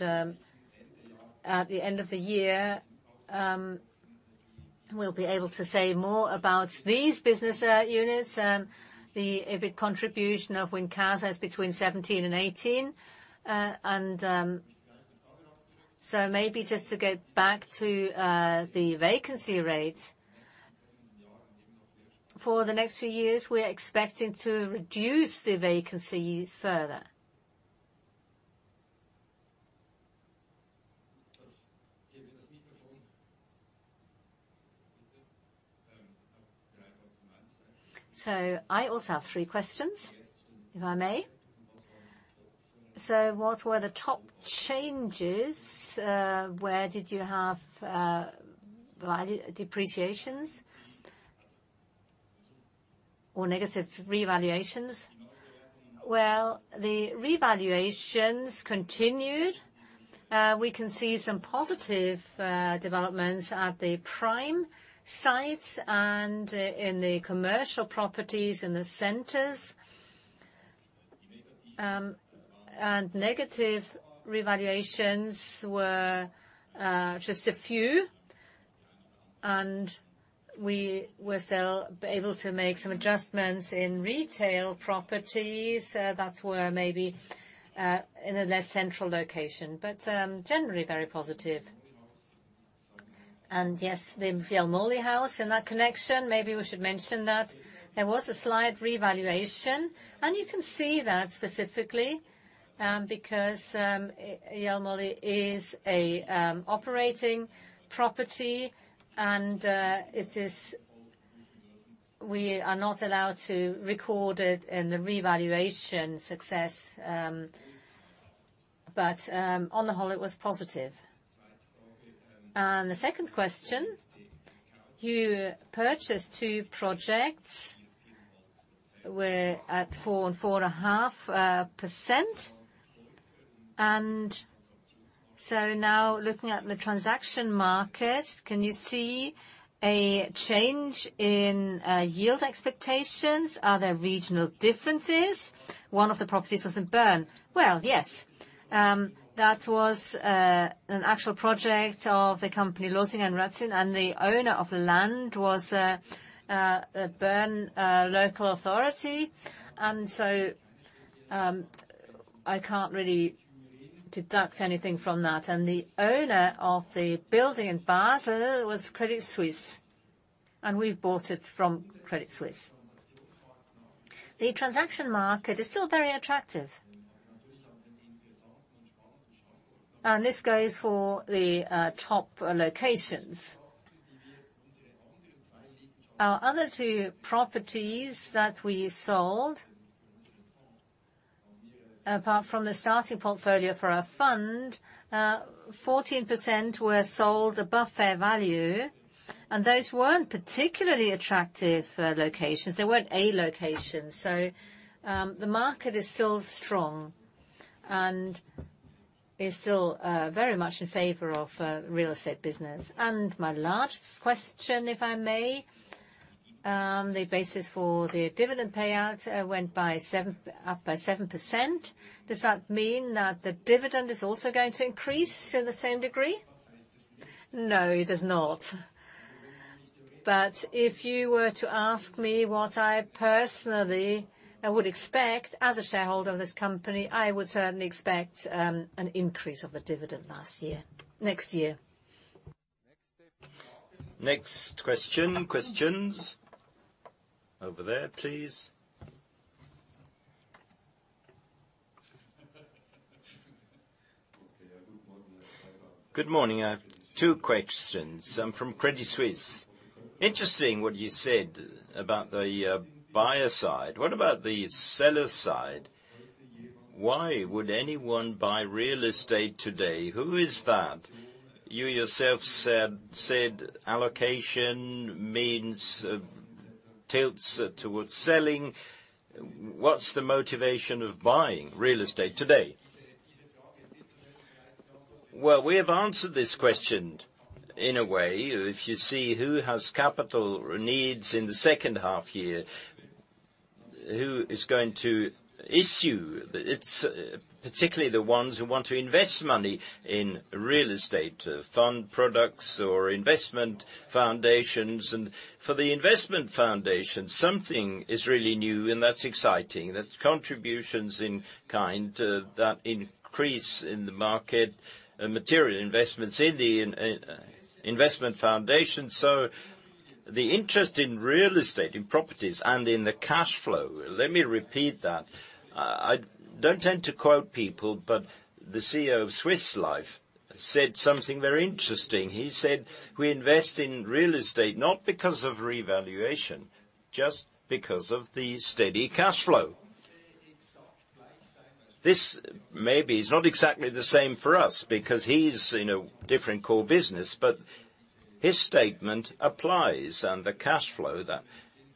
S1: the end of the year, we'll be able to say more about these business units. The EBIT contribution of Wincasa is between 17 and 18. Maybe just to go back to the vacancy rates. For the next few years, we're expecting to reduce the vacancies further.
S5: I also have three questions, if I may. What were the top changes? Where did you have value depreciations or negative revaluations?
S1: Well, the revaluations continued. We can see some positive developments at the Prime sites and in the commercial properties in the centers. Negative revaluations were just a few, and we were still able to make some adjustments in retail properties that were maybe in a less central location, but generally very positive. Yes, the Jelmoli house. In that connection, maybe we should mention that there was a slight revaluation, and you can see that specifically because Jelmoli is a operating property and it is. We are not allowed to record it in the revaluation success, but on the whole it was positive.
S5: The second question, you purchased two projects at 4% and 4.5%. Now looking at the transaction market, can you see a change in yield expectations? Are there regional differences? One of the properties was in Bern.
S1: Well, yes. That was an actual project of the company Losinger Marazzi, and the owner of land was Bern local authority. I can't really deduct anything from that. The owner of the building in Basel was Credit Suisse, and we bought it from Credit Suisse. The transaction market is still very attractive. This goes for the top locations. Our other two properties that we sold, apart from the starting portfolio for our fund, 14% were sold above fair value, and those weren't particularly attractive locations. They weren't A locations. The market is still strong and is still very much in favor of real estate business.
S5: My last question, if I may. The basis for the dividend payout went up by 7%. Does that mean that the dividend is also going to increase in the same degree?
S1: No, it does not. If you were to ask me what I personally would expect as a shareholder of this company, I would certainly expect an increase of the dividend next year.
S6: Next question. Questions. Over there, please.
S7: Good morning. I have two questions. I'm from Credit Suisse. Interesting what you said about the buyer side. What about the seller side? Why would anyone buy real estate today? Who is that? You yourself said allocation means tilts towards selling. What's the motivation of buying real estate today?
S2: Well, we have answered this question in a way. If you see who has capital needs in the second half year, who is going to issue, it's particularly the ones who want to invest money in real estate fund products or investment foundations. For the investment foundation, something is really new, and that's exciting. That's contributions in kind that increase in the market, material investments in the investment foundation. The interest in real estate, in properties and in the cash flow, let me repeat that. I don't tend to quote people, but the CEO of Swiss Life said something very interesting. He said, "We invest in real estate not because of revaluation, just because of the steady cash flow." This maybe is not exactly the same for us because he's in a different core business, but his statement applies, and the cash flow that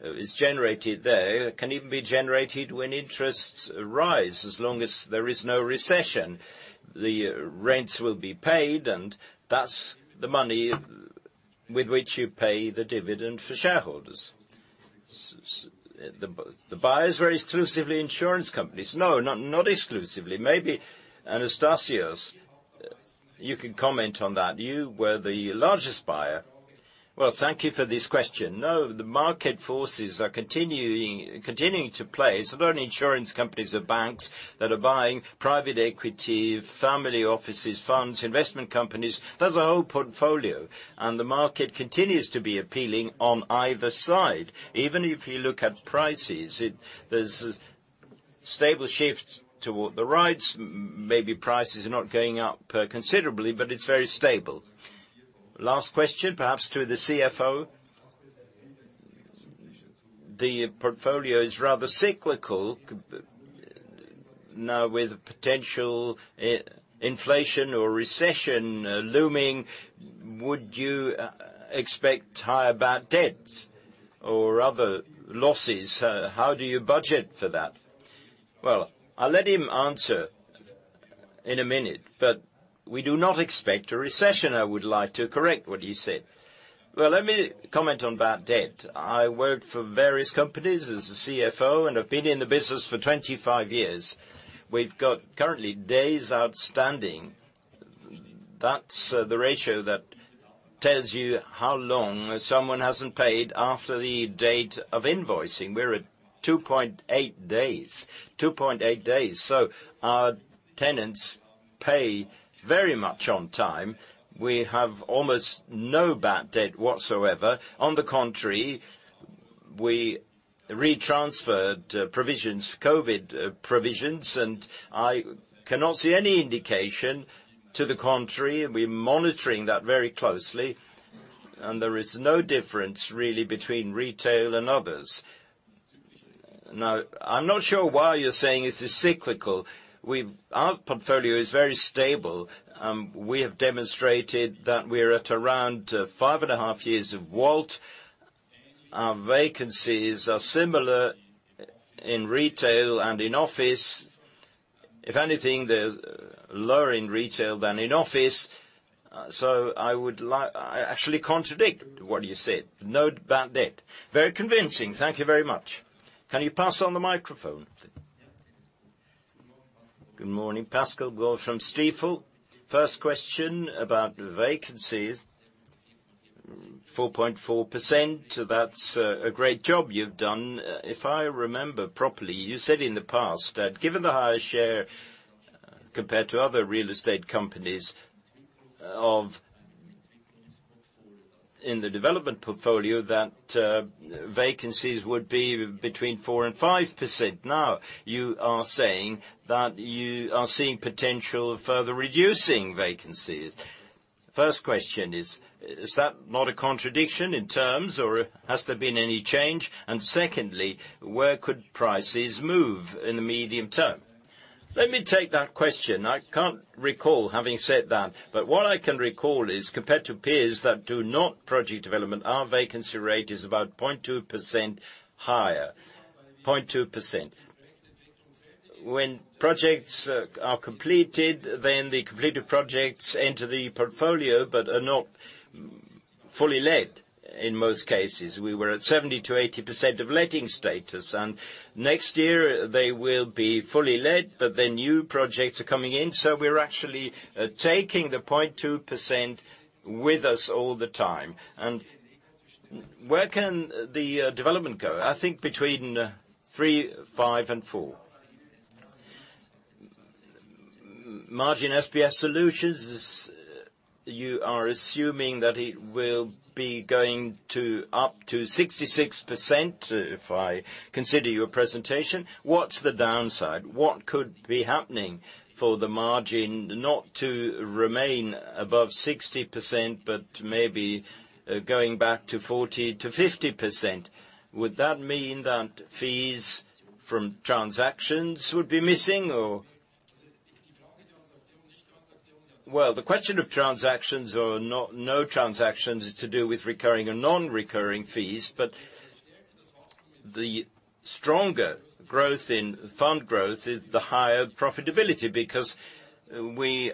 S2: is generated there can even be generated when interest rates rise, as long as there is no recession. The rents will be paid, and that's the money with which you pay the dividend for shareholders. The buyers were exclusively insurance companies. No, not exclusively. Maybe Anastasius, you can comment on that. You were the largest buyer.
S8: Well, thank you for this question. No, the market forces are continuing to play. It's not only insurance companies or banks that are buying. Private equity, family offices, funds, investment companies, there's a whole portfolio, and the market continues to be appealing on either side. Even if you look at prices, there's stable shifts toward the REITs. Maybe prices are not going up considerably, but it's very stable.
S7: Last question, perhaps to the CFO. The portfolio is rather cyclical. Now, with potential inflation or recession looming, would you expect higher bad debts or other losses? How do you budget for that?
S8: Well, I'll let him answer in a minute, but we do not expect a recession, I would like to correct what he said.
S2: Well, let me comment on bad debt. I worked for various companies as a CFO, and I've been in the business for 25 years. We've got currently days outstanding. That's the ratio that tells you how long someone hasn't paid after the date of invoicing. We're at 2.8 days. So our tenants pay very much on time. We have almost no bad debt whatsoever. On the contrary, we reversed COVID provisions, and I cannot see any indication to the contrary. We're monitoring that very closely, and there is no difference really between retail and others. Now, I'm not sure why you're saying this is cyclical. Our portfolio is very stable. We have demonstrated that we're at around 5.5 years of WALT. Our vacancies are similar in retail and in office. If anything, they're lower in retail than in office. I actually contradict what you said. No about that.
S7: Very convincing. Thank you very much.
S6: Can you pass on the microphone, please?
S7: Yeah.
S9: Good morning, Pascal Boll from Stifel. First question about vacancies. 4.4%, that's a great job you've done. If I remember properly, you said in the past that given the higher share compared to other real estate companies in the development portfolio, that vacancies would be between 4% and 5%. Now, you are saying that you are seeing potential of further reducing vacancies. First question is that not a contradiction in terms, or has there been any change? And secondly, where could prices move in the medium term?
S2: Let me take that question. I can't recall having said that, but what I can recall is compared to peers that do not pursue development, our vacancy rate is about 0.2% higher. 0.2%. When projects are completed, then the completed projects enter the portfolio but are not fully let in most cases. We were at 70%-80% of letting status. Next year they will be fully let, but the new projects are coming in, so we're actually taking the 0.2% with us all the time. Where can the development go? I think between three, five and four. Margin SPS Solutions is. You are assuming that it will be going to up to 66% if I consider your presentation. What's the downside? What could be happening for the margin not to remain above 60% but maybe going back to 40%-50%? Would that mean that fees from transactions would be missing or? The question of transactions or no transactions is to do with recurring or non-recurring fees. The stronger growth in fund growth is the higher profitability because we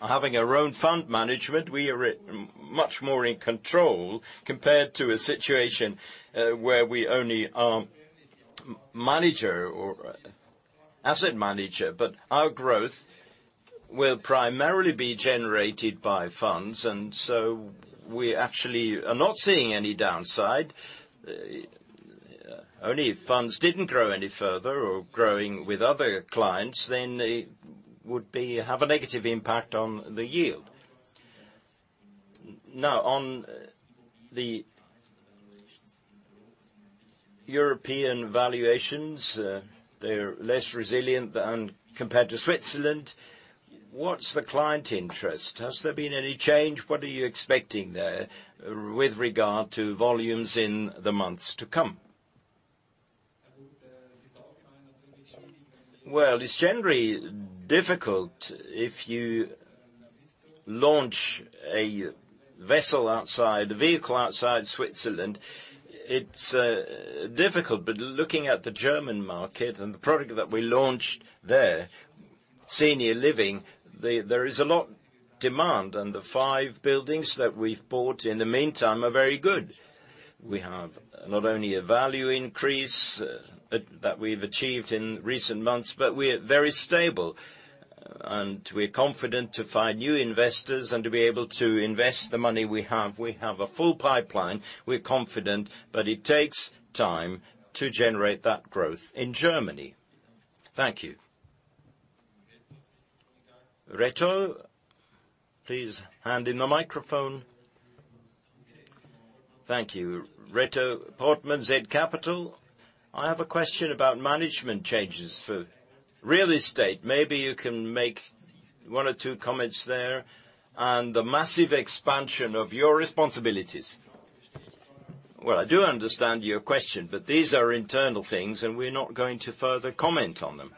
S2: are having our own fund management. We are much more in control compared to a situation where we only are manager or asset manager. Our growth will primarily be generated by funds and so we actually are not seeing any downside. Only if funds didn't grow any further or growing with other clients, then they would have a negative impact on the yield.
S9: Now, on the European valuations, they're less resilient than compared to Switzerland. What's the client interest? Has there been any change? What are you expecting there with regard to volumes in the months to come?
S8: Well, it's generally difficult if you launch a vehicle outside Switzerland. It's difficult. Looking at the German market and the product that we launched there, senior living, there is a lot demand. The five buildings that we've bought in the meantime are very good. We have not only a value increase that we've achieved in recent months, but we're very stable. We're confident to find new investors and to be able to invest the money we have. We have a full pipeline. We're confident, but it takes time to generate that growth in Germany.
S9: Thank you.
S8: Reto, please hand in the microphone.
S10: Thank you. Reto Portmann, zCapital. I have a question about management changes for real estate. Maybe you can make one or two comments there and the massive expansion of your responsibilities.
S8: Well, I do understand your question, but these are internal things, and we're not going to further comment on them.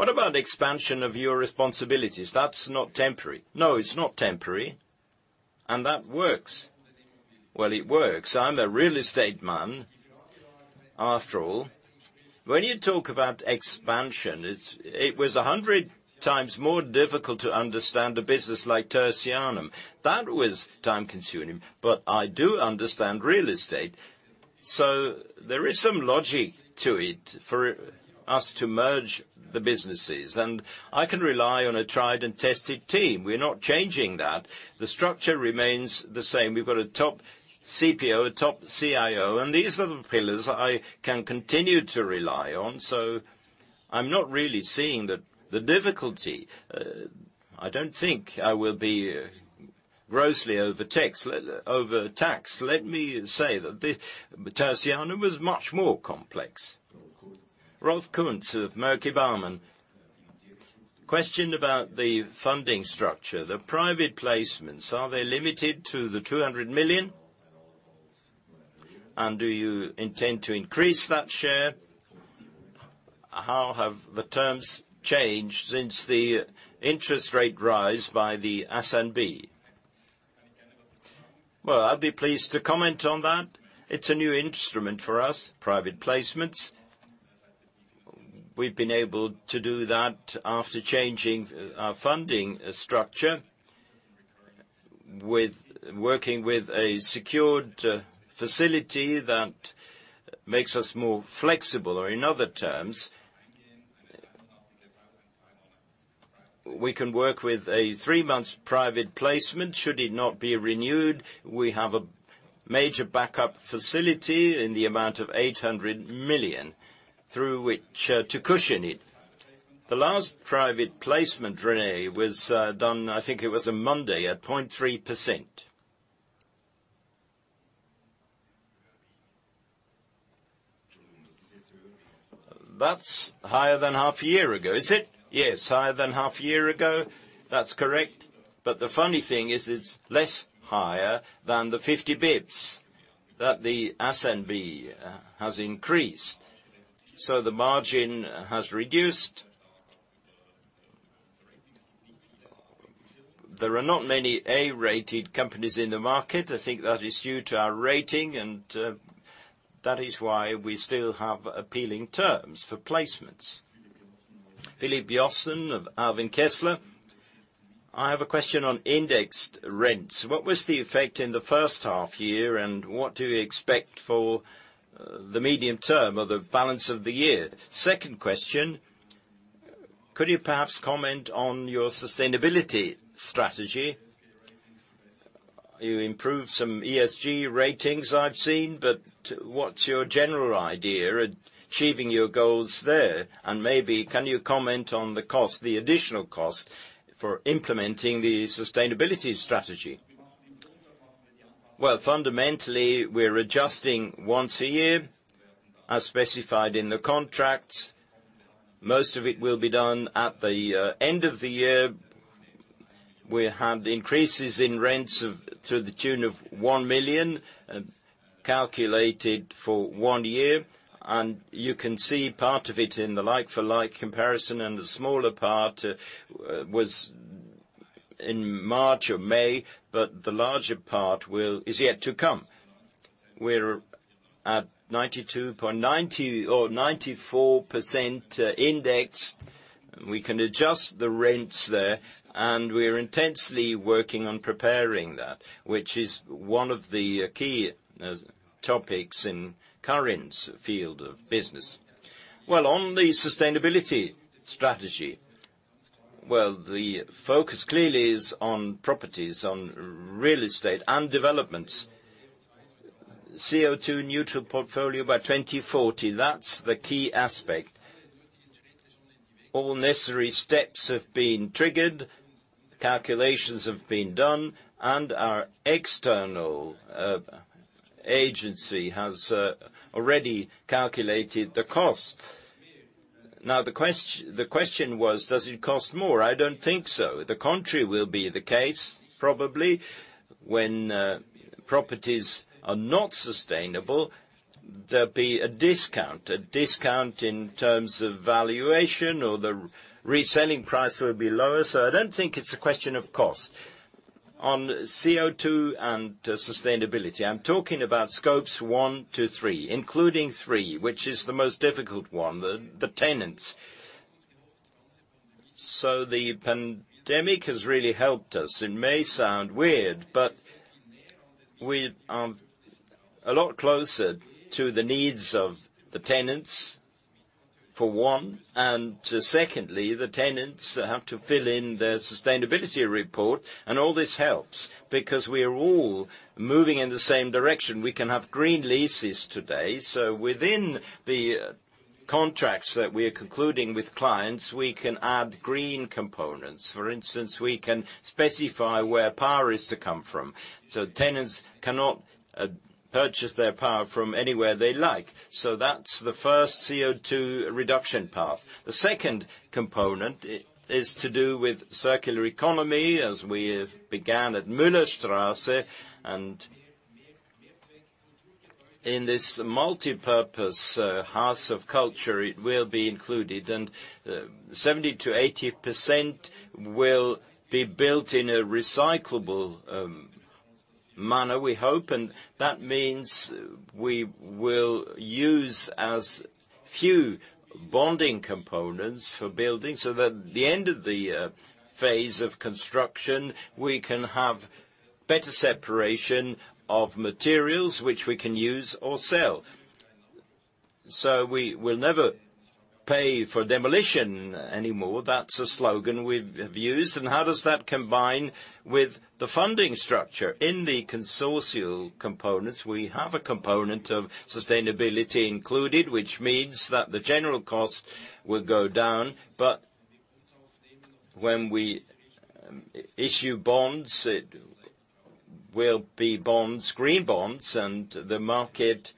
S10: What about expansion of your responsibilities? That's not temporary.
S8: No, it's not temporary. That works. Well, it works. I'm a real estate man, after all. When you talk about expansion, it was 100 times more difficult to understand a business like Tertianum. That was time-consuming, but I do understand real estate. There is some logic to it for us to merge the businesses, and I can rely on a tried and tested team. We're not changing that. The structure remains the same. We've got a top CPO, a top CIO, and these are the pillars I can continue to rely on. I'm not really seeing the difficulty. I don't think I will be grossly overtaxed. Let me say that the Tertianum was much more complex.
S11: Rolf Kunz of Maerki Baumann. Question about the funding structure, the private placements, are they limited to the 200 million? And do you intend to increase that share? How have the terms changed since the interest rate rise by the SNB?
S8: Well, I'll be pleased to comment on that. It's a new instrument for us, private placements. We've been able to do that after changing our funding structure working with a secured facility that makes us more flexible, or in other terms, we can work with a three-month private placement. Should it not be renewed, we have a major backup facility in the amount of 800 million through which to cushion it. The last private placement, René, was done, I think it was a Monday at 0.3%.
S11: That's higher than half a year ago. Is it? Yes, higher than half a year ago. That's correct. The funny thing is it's less higher than the 50 basis points that the SNB has increased. The margin has reduced.
S8: There are not many A-rated companies in the market. I think that is due to our rating, and that is why we still have appealing terms for placements.
S12: Philipp Jossen of Albin Kistler. I have a question on indexed rents. What was the effect in the first half year, and what do you expect for the medium term or the balance of the year? Second question, could you perhaps comment on your sustainability strategy? You improved some ESG ratings I've seen, but what's your general idea achieving your goals there? And maybe can you comment on the cost, the additional cost for implementing the sustainability strategy?
S2: Well, fundamentally, we're adjusting once a year, as specified in the contracts. Most of it will be done at the end of the year. We had increases in rents to the tune of 1 million calculated for one year. You can see part of it in the like-for-like comparison, and the smaller part was in March or May, but the larger part is yet to come. We're at 94% indexed. We can adjust the rents there, and we are intensely working on preparing that, which is one of the key topics in current field of business. Well, on the sustainability strategy. Well, the focus clearly is on properties, on real estate and developments. CO2 neutral portfolio by 2040, that's the key aspect. All necessary steps have been triggered, calculations have been done, and our external agency has already calculated the cost. Now, the question was, does it cost more? I don't think so. The contrary will be the case probably. When properties are not sustainable, there'll be a discount in terms of valuation or the reselling price will be lower. I don't think it's a question of cost. On CO2 and sustainability, I'm talking about scopes one to three, including three, which is the most difficult one, the tenants. The pandemic has really helped us. It may sound weird, but we are a lot closer to the needs of the tenants, for one. Secondly, the tenants have to fill in their sustainability report. All this helps because we are all moving in the same direction. We can have green leases today. Within the contracts that we're concluding with clients, we can add green components. For instance, we can specify where power is to come from. Tenants cannot purchase their power from anywhere they like. That's the first CO2 reduction path. The second component is to do with circular economy, as we have began at Müllerstrasse. In this multipurpose house of culture, it will be included. Seventy to eighty percent will be built in a recyclable manner we hope. That means we will use as few bonding components for building, so that at the end of the phase of construction, we can have better separation of materials which we can use or sell. We will never pay for demolition anymore. That's a slogan we've used. How does that combine with the funding structure? In the consortial components, we have a component of sustainability included, which means that the general cost will go down, but when we issue bonds, it will be bonds, green bonds, and the market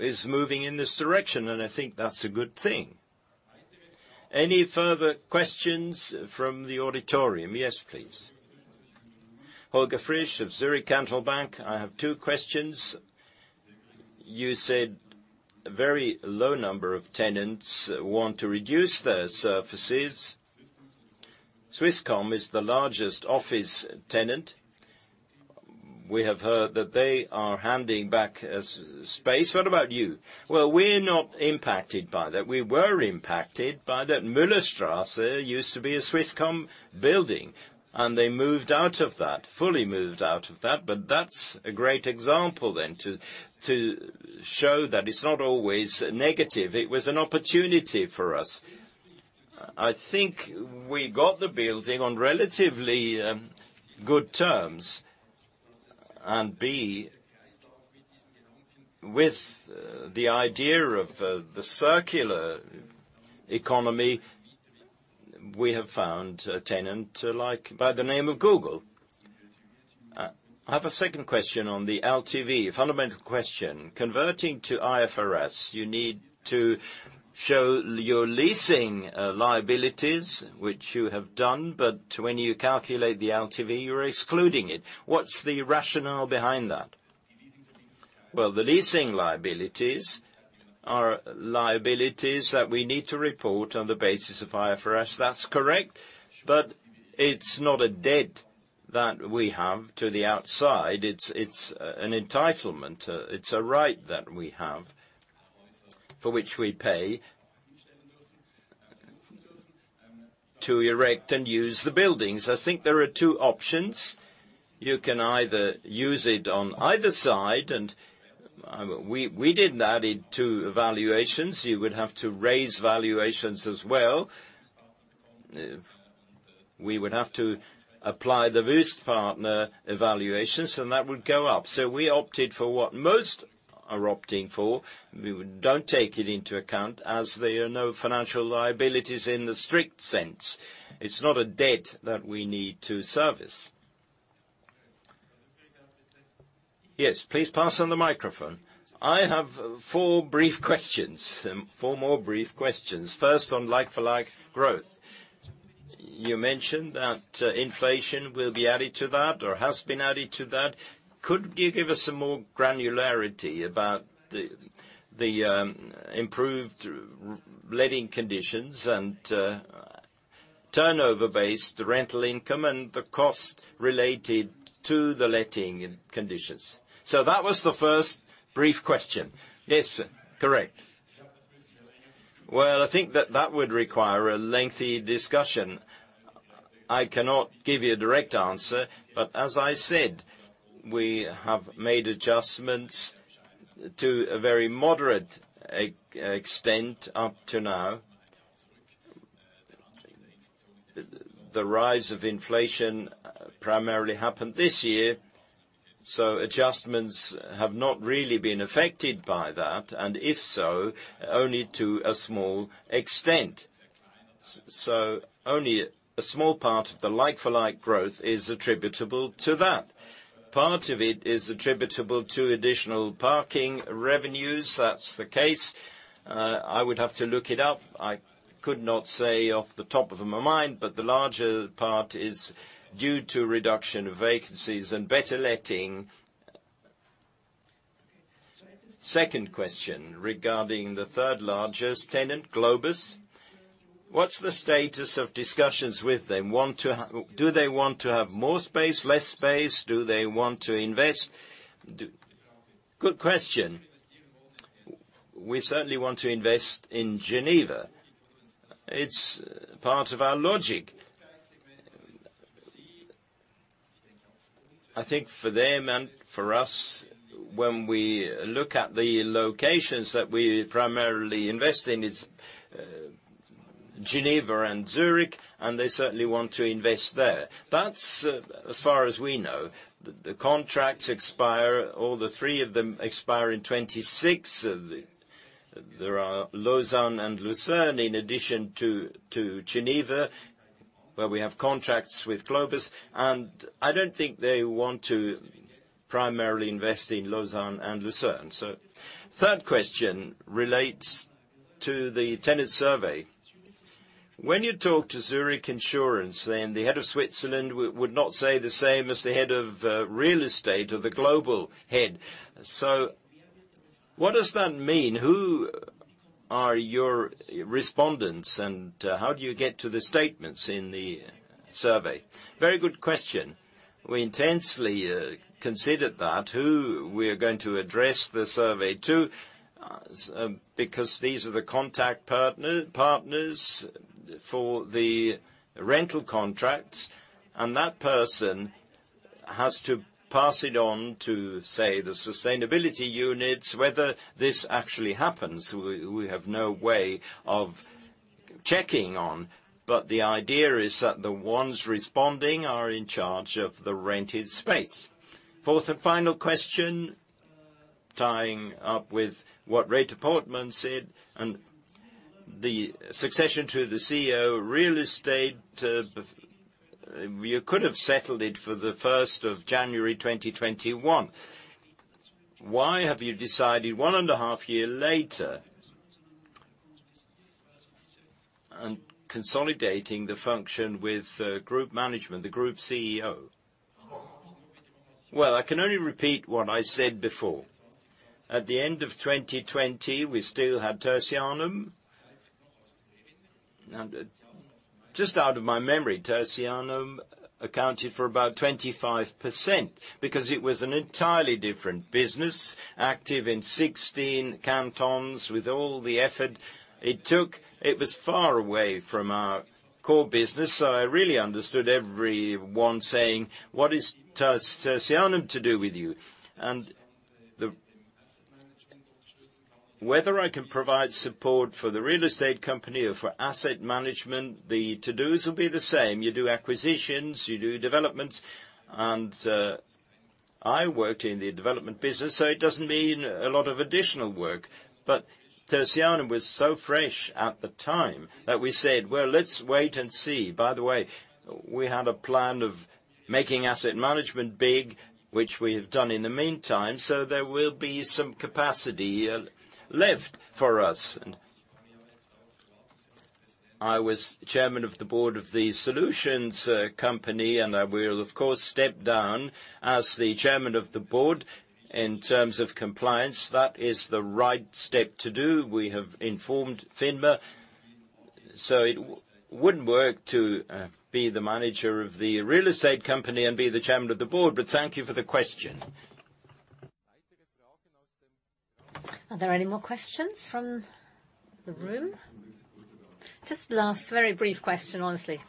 S2: is moving in this direction, and I think that's a good thing.
S6: Any further questions from the auditorium? Yes, please.
S13: Holger Frisch of Zurich Cantonal Bank. I have two questions. You said very low number of tenants want to reduce their surfaces. Swisscom is the largest office tenant. We have heard that they are handing back space. What about you?
S8: Well, we're not impacted by that. We were impacted by that. Müllerstrasse used to be a Swisscom building, and they moved out of that, fully moved out of that, but that's a great example then to show that it's not always negative. It was an opportunity for us. I think we got the building on relatively good terms. B, with the idea of the circular economy, we have found a tenant like by the name of Google.
S13: I have a second question on the LTV, fundamental question. Converting to IFRS, you need to show your leasing liabilities, which you have done. When you calculate the LTV, you're excluding it. What's the rationale behind that?
S8: Well, the leasing liabilities are liabilities that we need to report on the basis of IFRS. That's correct. It's not a debt that we have to the outside. It's an entitlement. It's a right that we have for which we pay to erect and use the buildings. I think there are two options. You can either use it on either side, and we didn't add it to valuations. You would have to raise valuations as well. We would have to apply the Wüest Partner evaluations, and that would go up. We opted for what most are opting for. We don't take it into account as there are no financial liabilities in the strict sense. It's not a debt that we need to service.
S6: Yes. Please pass on the microphone.
S14: I have four brief questions, four more brief questions. First, on like-for-like growth. You mentioned that inflation will be added to that or has been added to that. Could you give us some more granularity about the improved letting conditions and turnover-based rental income and the cost related to the letting conditions?
S8: That was the first brief question.
S14: Yes. Correct.
S8: Well, I think that would require a lengthy discussion.
S2: I cannot give you a direct answer, but as I said, we have made adjustments to a very moderate extent up to now. The rise of inflation primarily happened this year, so adjustments have not really been affected by that, and if so, only to a small extent. So only a small part of the like-for-like growth is attributable to that. Part of it is attributable to additional parking revenues. That's the case. I would have to look it up. I could not say off the top of my head, but the larger part is due to reduction of vacancies and better letting.
S14: Second question, regarding the third-largest tenant, Globus. What's the status of discussions with them? Do they want to have more space, less space? Do they want to invest?
S8: Good question. We certainly want to invest in Geneva. It's part of our logic. I think for them and for us, when we look at the locations that we primarily invest in, it's Geneva and Zurich, and they certainly want to invest there. That's as far as we know. The contracts expire, all three of them expire in 2026. There are Lausanne and Lucerne in addition to Geneva, where we have contracts with Globus. I don't think they want to primarily invest in Lausanne and Lucerne.
S14: Third question relates to the tenant survey. When you talk to Zurich Insurance, then the head of Switzerland would not say the same as the head of real estate or the global head. So what does that mean? Who are your respondents, and how do you get to the statements in the survey?
S8: Very good question. We intensely considered that, who we're going to address the survey to, because these are the contact partners for the rental contracts. That person has to pass it on to, say, the sustainability units. Whether this actually happens, we have no way of checking on. The idea is that the ones responding are in charge of the rented space.
S14: Fourth and final question. Tying up with what Reto Portmann said, and the succession to the CEO Real Estate, you could have settled it for the first of January 2021. Why have you decided one and a half year later, consolidating the function with group management, the Group CEO.
S8: Well, I can only repeat what I said before. At the end of 2020, we still had Tertianum. Just out of my memory, Tertianum accounted for about 25% because it was an entirely different business, active in 16 cantons with all the effort it took. It was far away from our core business. I really understood everyone saying, "What is Tertianum to do with you?" Whether I can provide support for the real estate company or for asset management, the to-dos will be the same. You do acquisitions, you do developments. I worked in the development business, so it doesn't mean a lot of additional work. Tertianum was so fresh at the time that we said, "Well, let's wait and see." By the way, we had a plan of making asset management big, which we have done in the meantime. There will be some capacity left for us. I was chairman of the board of the solutions company, and I will of course step down as the chairman of the board. In terms of compliance, that is the right step to do. We have informed FINMA. It wouldn't work to be the manager of the real estate company and be the chairman of the board. Thank you for the question.
S1: Are there any more questions from the room? Just last very brief question, honestly.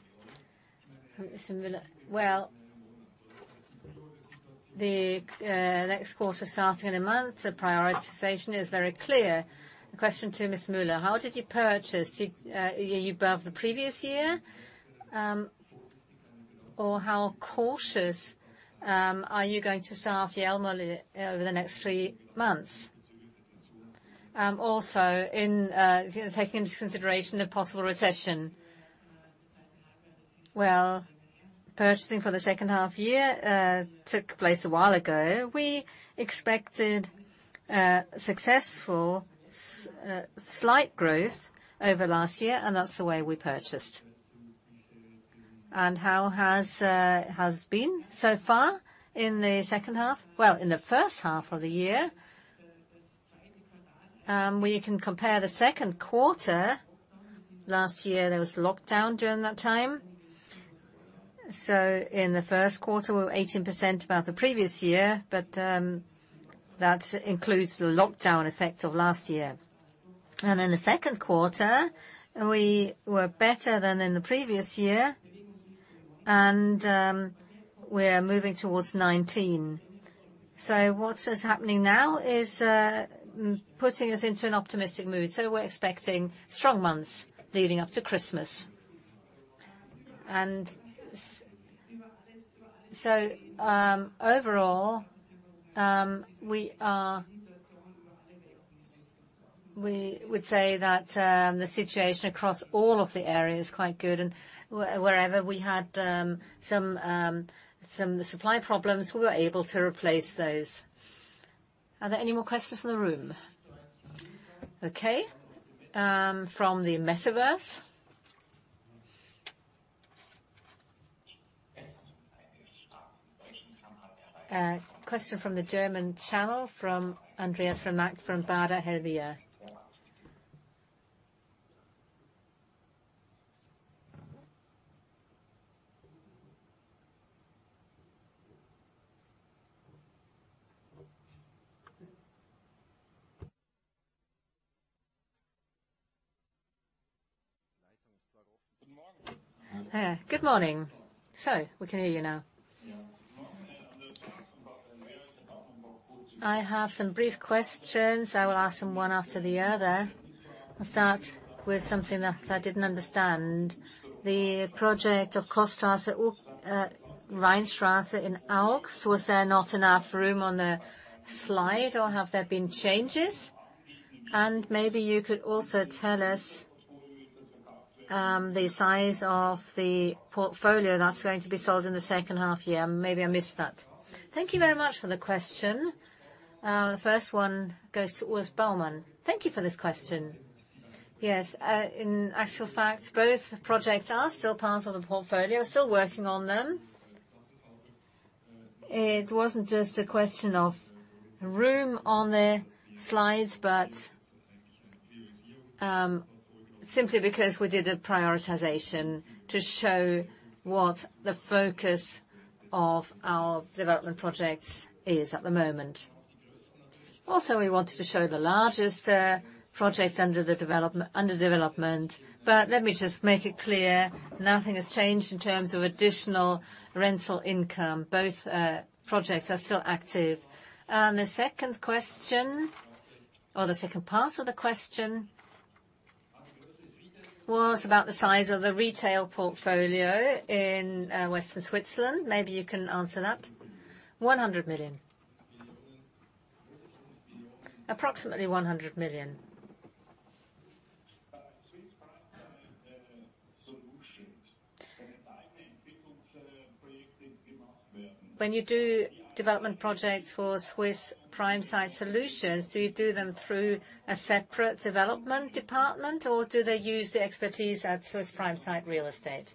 S1: Ms. Müller. The next quarter starting in a month, the prioritization is very clear. The question to Ms. Müller, how did you purchase? Are you above the previous year? Or how cautious are you going to start the Jelmoli over the next three months? Also in taking into consideration the possible recession.
S15: Well, purchasing for the second half year took place a while ago. We expected successful slight growth over last year, and that's the way we purchased.
S1: How has it been so far in the second half?
S15: Well, in the first half of the year, we can compare the second quarter. Last year, there was lockdown during that time. In the first quarter, we were 18% above the previous year. That includes the lockdown effect of last year. In the second quarter, we were better than in the previous year, and we're moving towards 19%. What is happening now is putting us into an optimistic mood. We're expecting strong months leading up to Christmas. Overall, we would say that the situation across all of the areas is quite good. Wherever we had some supply problems, we were able to replace those.
S1: Are there any more questions from the room? Okay. From the metaverse. A question from the German channel, from Andreas Ruhlmann from Baader Helvea. Good morning. So we can hear you now.
S16: I have some brief questions. I will ask them one after the other. I'll start with something that I didn't understand. The project of Kohlestrasse, Rheinstrasse in Augst, was there not enough room on the slide or have there been changes? Maybe you could also tell us, the size of the portfolio that's going to be sold in the second half year. Maybe I missed that.
S1: Thank you very much for the question. The first one goes to Urs Baumann.
S17: Thank you for this question. Yes. In actual fact, both projects are still part of the portfolio, still working on them. It wasn't just a question of room on the slides, but simply because we did a prioritization to show what the focus of our development projects is at the moment. Also, we wanted to show the largest projects under development. Let me just make it clear, nothing has changed in terms of additional rental income. Both projects are still active. The second question or the second part of the question
S16: What's about the size of the retail portfolio in Western Switzerland. Maybe you can answer that.
S17: 100 million. Approximately 100 million.
S16: When you do development projects for Swiss Prime Site Solutions, do you do them through a separate development department, or do they use the expertise at Swiss Prime Site Immobilien?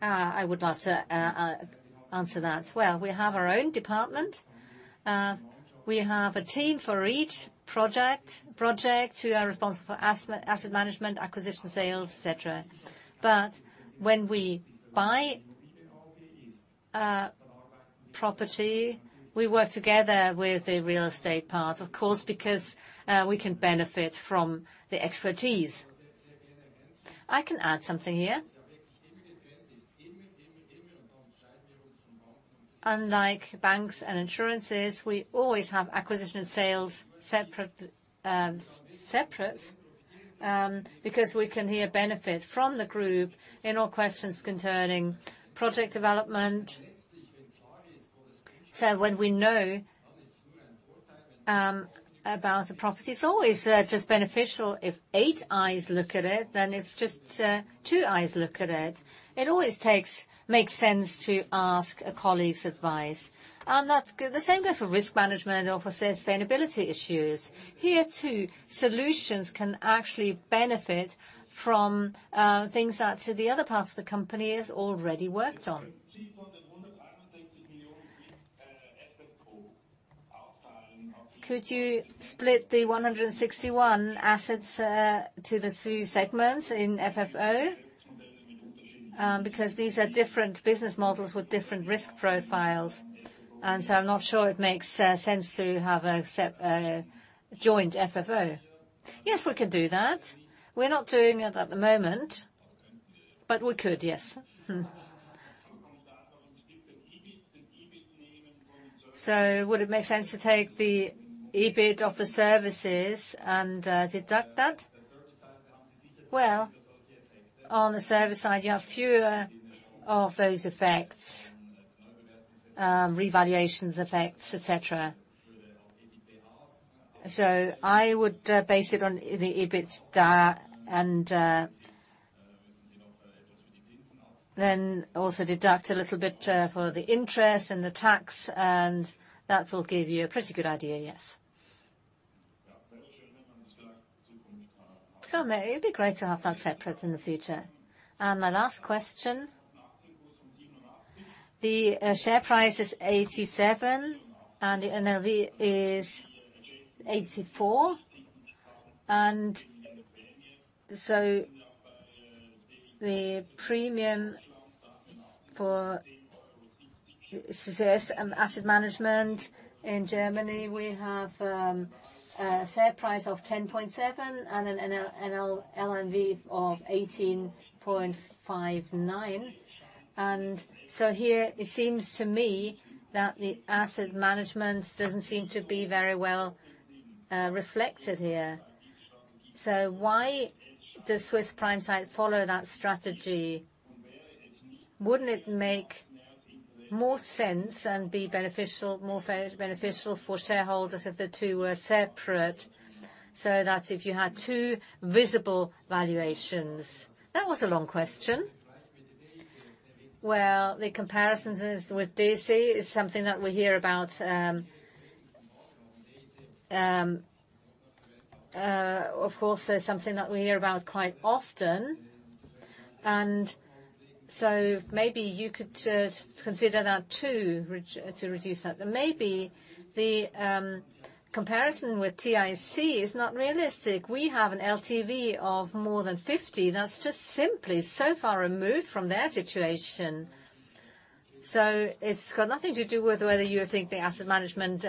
S17: I would love to answer that. Well, we have our own department. We have a team for each project who are responsible for asset management, acquisition, sales, et cetera. But when we buy a property, we work together with the real estate part, of course, because we can benefit from the expertise.
S1: I can add something here. Unlike banks and insurances, we always have acquisition and sales separate, because we can here benefit from the group in all questions concerning project development. When we know about the property, it's always just beneficial if eight eyes look at it than if just two eyes look at it. It always makes sense to ask a colleague's advice. The same goes for risk management or for sustainability issues. Here too, solutions can actually benefit from things that the other part of the company has already worked on.
S16: Could you split the 161 assets to the two segments in FFO? Because these are different business models with different risk profiles, and I'm not sure it makes sense to have a joint FFO.
S1: Yes, we can do that. We're not doing it at the moment, but we could, yes. Mm.
S16: Would it make sense to take the EBIT of the services and deduct that?
S1: Well, on the service side, you have fewer of those effects, revaluation effects, et cetera. I would base it on the EBITDA and then also deduct a little bit for the interest and the tax, and that will give you a pretty good idea, yes. It'd be great to have that separate in the future.
S16: My last question, the share price is 87, and the NAV is 84. The premium for Credit Suisse Asset Management in Germany, we have a share price of 10.7 and a NAV of 18.59. Here it seems to me that the asset management doesn't seem to be very well reflected here. Why does Swiss Prime Site follow that strategy? Wouldn't it make more sense and be beneficial, more beneficial for shareholders if the two were separate so that if you had two visible valuations?
S1: That was a long question. Well, the comparisons with DIC is something that we hear about, of course, something that we hear about quite often. Maybe you could consider that too, to reduce that. Maybe the comparison with DIC is not realistic. We have an LTV of more than 50. That's just simply so far removed from their situation. It's got nothing to do with whether you think the asset management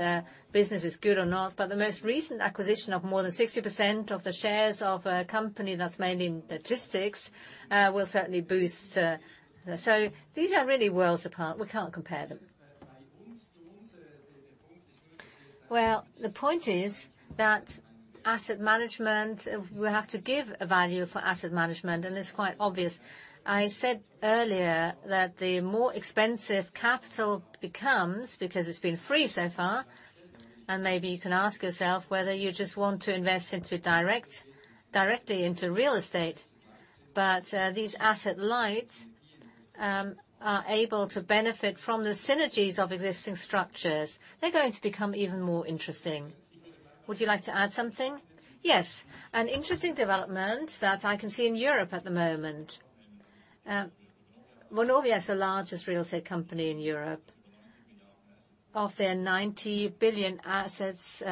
S1: business is good or not, but the most recent acquisition of more than 60% of the shares of a company that's mainly in logistics will certainly boost. These are really worlds apart. We can't compare them. Well, the point is that asset management, we have to give a value for asset management, and it's quite obvious. I said earlier that the more expensive capital becomes because it's been free so far, and maybe you can ask yourself whether you just want to invest directly into real estate. These asset-light are able to benefit from the synergies of existing structures. They're going to become even more interesting. Would you like to add something?
S17: Yes. An interesting development that I can see in Europe at the moment, Vonovia is the largest real estate company in Europe. Of their 90 billion assets,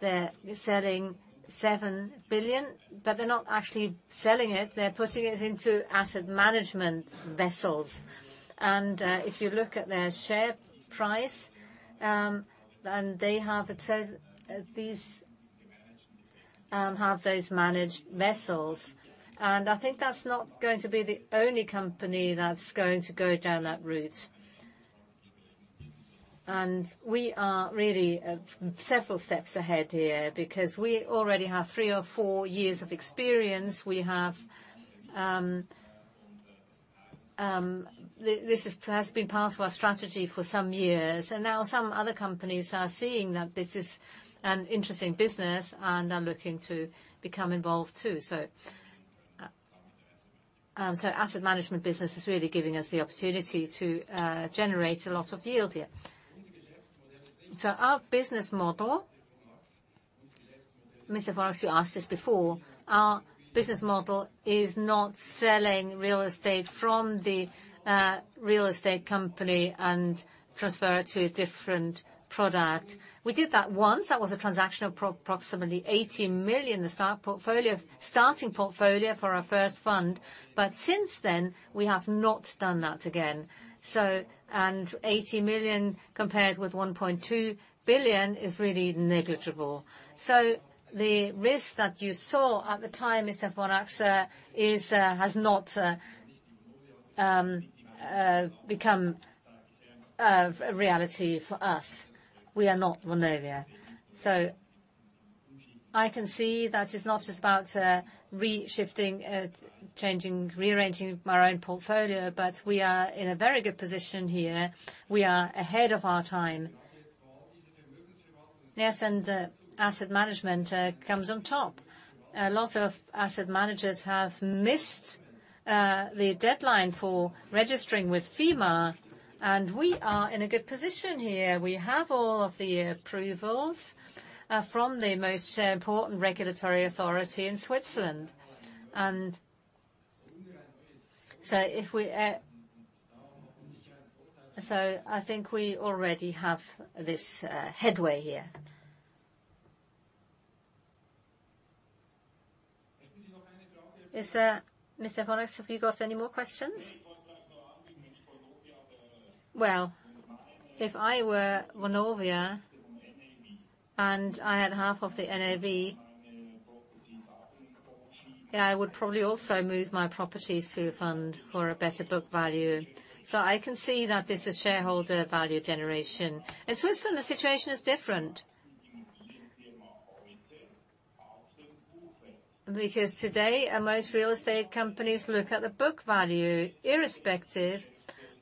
S17: they're selling 7 billion, but they're not actually selling it. They're putting it into asset management vehicles. If you look at their share price, and they have it so these have those managed vehicles. I think that's not going to be the only company that's going to go down that route. We are really several steps ahead here because we already have three or four years of experience. This has been part of our strategy for some years, and now some other companies are seeing that this is an interesting business and are looking to become involved too. Asset management business is really giving us the opportunity to generate a lot of yield here. Our business model, Mr. Vorax, you asked this before, our business model is not selling real estate from the real estate company and transfer it to a different product. We did that once. That was a transaction of approximately 80 million, the starting portfolio for our first fund. Since then, we have not done that again. 80 million compared with 1.2 billion is really negligible. The risk that you saw at the time, Mr. Vorax, has not become reality for us. We are not Vonovia. I can see that it's not just about re-shifting, changing, rearranging our own portfolio, but we are in a very good position here. We are ahead of our time. Yes, asset management comes on top. A lot of asset managers have missed the deadline for registering with FINMA, and we are in a good position here. We have all of the approvals from the most important regulatory authority in Switzerland. I think we already have this headway here.
S1: Is there, Mr. Vorax, have you got any more questions? Well, if I were Vonovia and I had half of the NAV, yeah, I would probably also move my properties to a fund for a better book value. I can see that this is shareholder value generation. In Switzerland, the situation is different. Today, most real estate companies look at the book value irrespective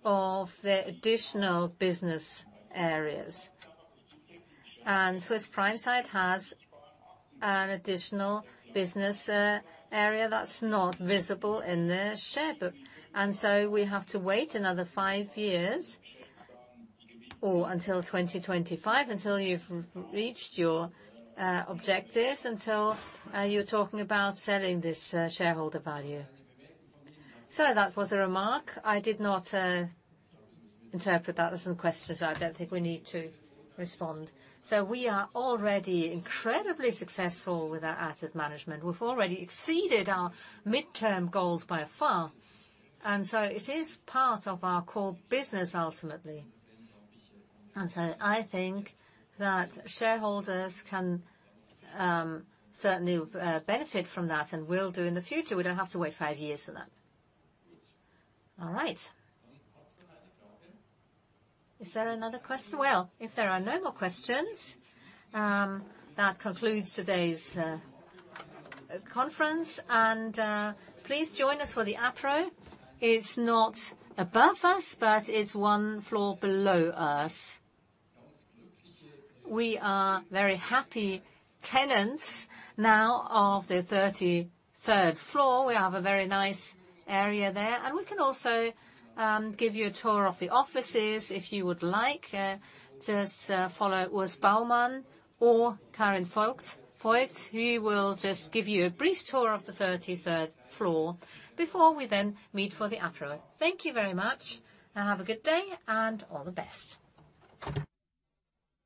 S1: of the additional business areas. Swiss Prime Site has an additional business area that's not visible in their share book. We have to wait another five years or until 2025, until you've reached your objectives, until you're talking about selling this shareholder value. That was a remark. I did not interpret that as some questions, so I don't think we need to respond. We are already incredibly successful with our asset management. We've already exceeded our midterm goals by far. It is part of our core business ultimately. I think that shareholders can certainly benefit from that, and will do in the future. We don't have to wait 5 years for that. All right. Is there another question? Well, if there are no more questions, that concludes today's conference. Please join us for the apéro. It's not above us, but it's one floor below us. We are very happy tenants now of the 33rd floor. We have a very nice area there. We can also give you a tour of the offices if you would like. Just follow Urs Baumann or Karin Voigt. He will just give you a brief tour of the 33rd floor before we then meet for the apéro. Thank you very much, and have a good day, and all the best.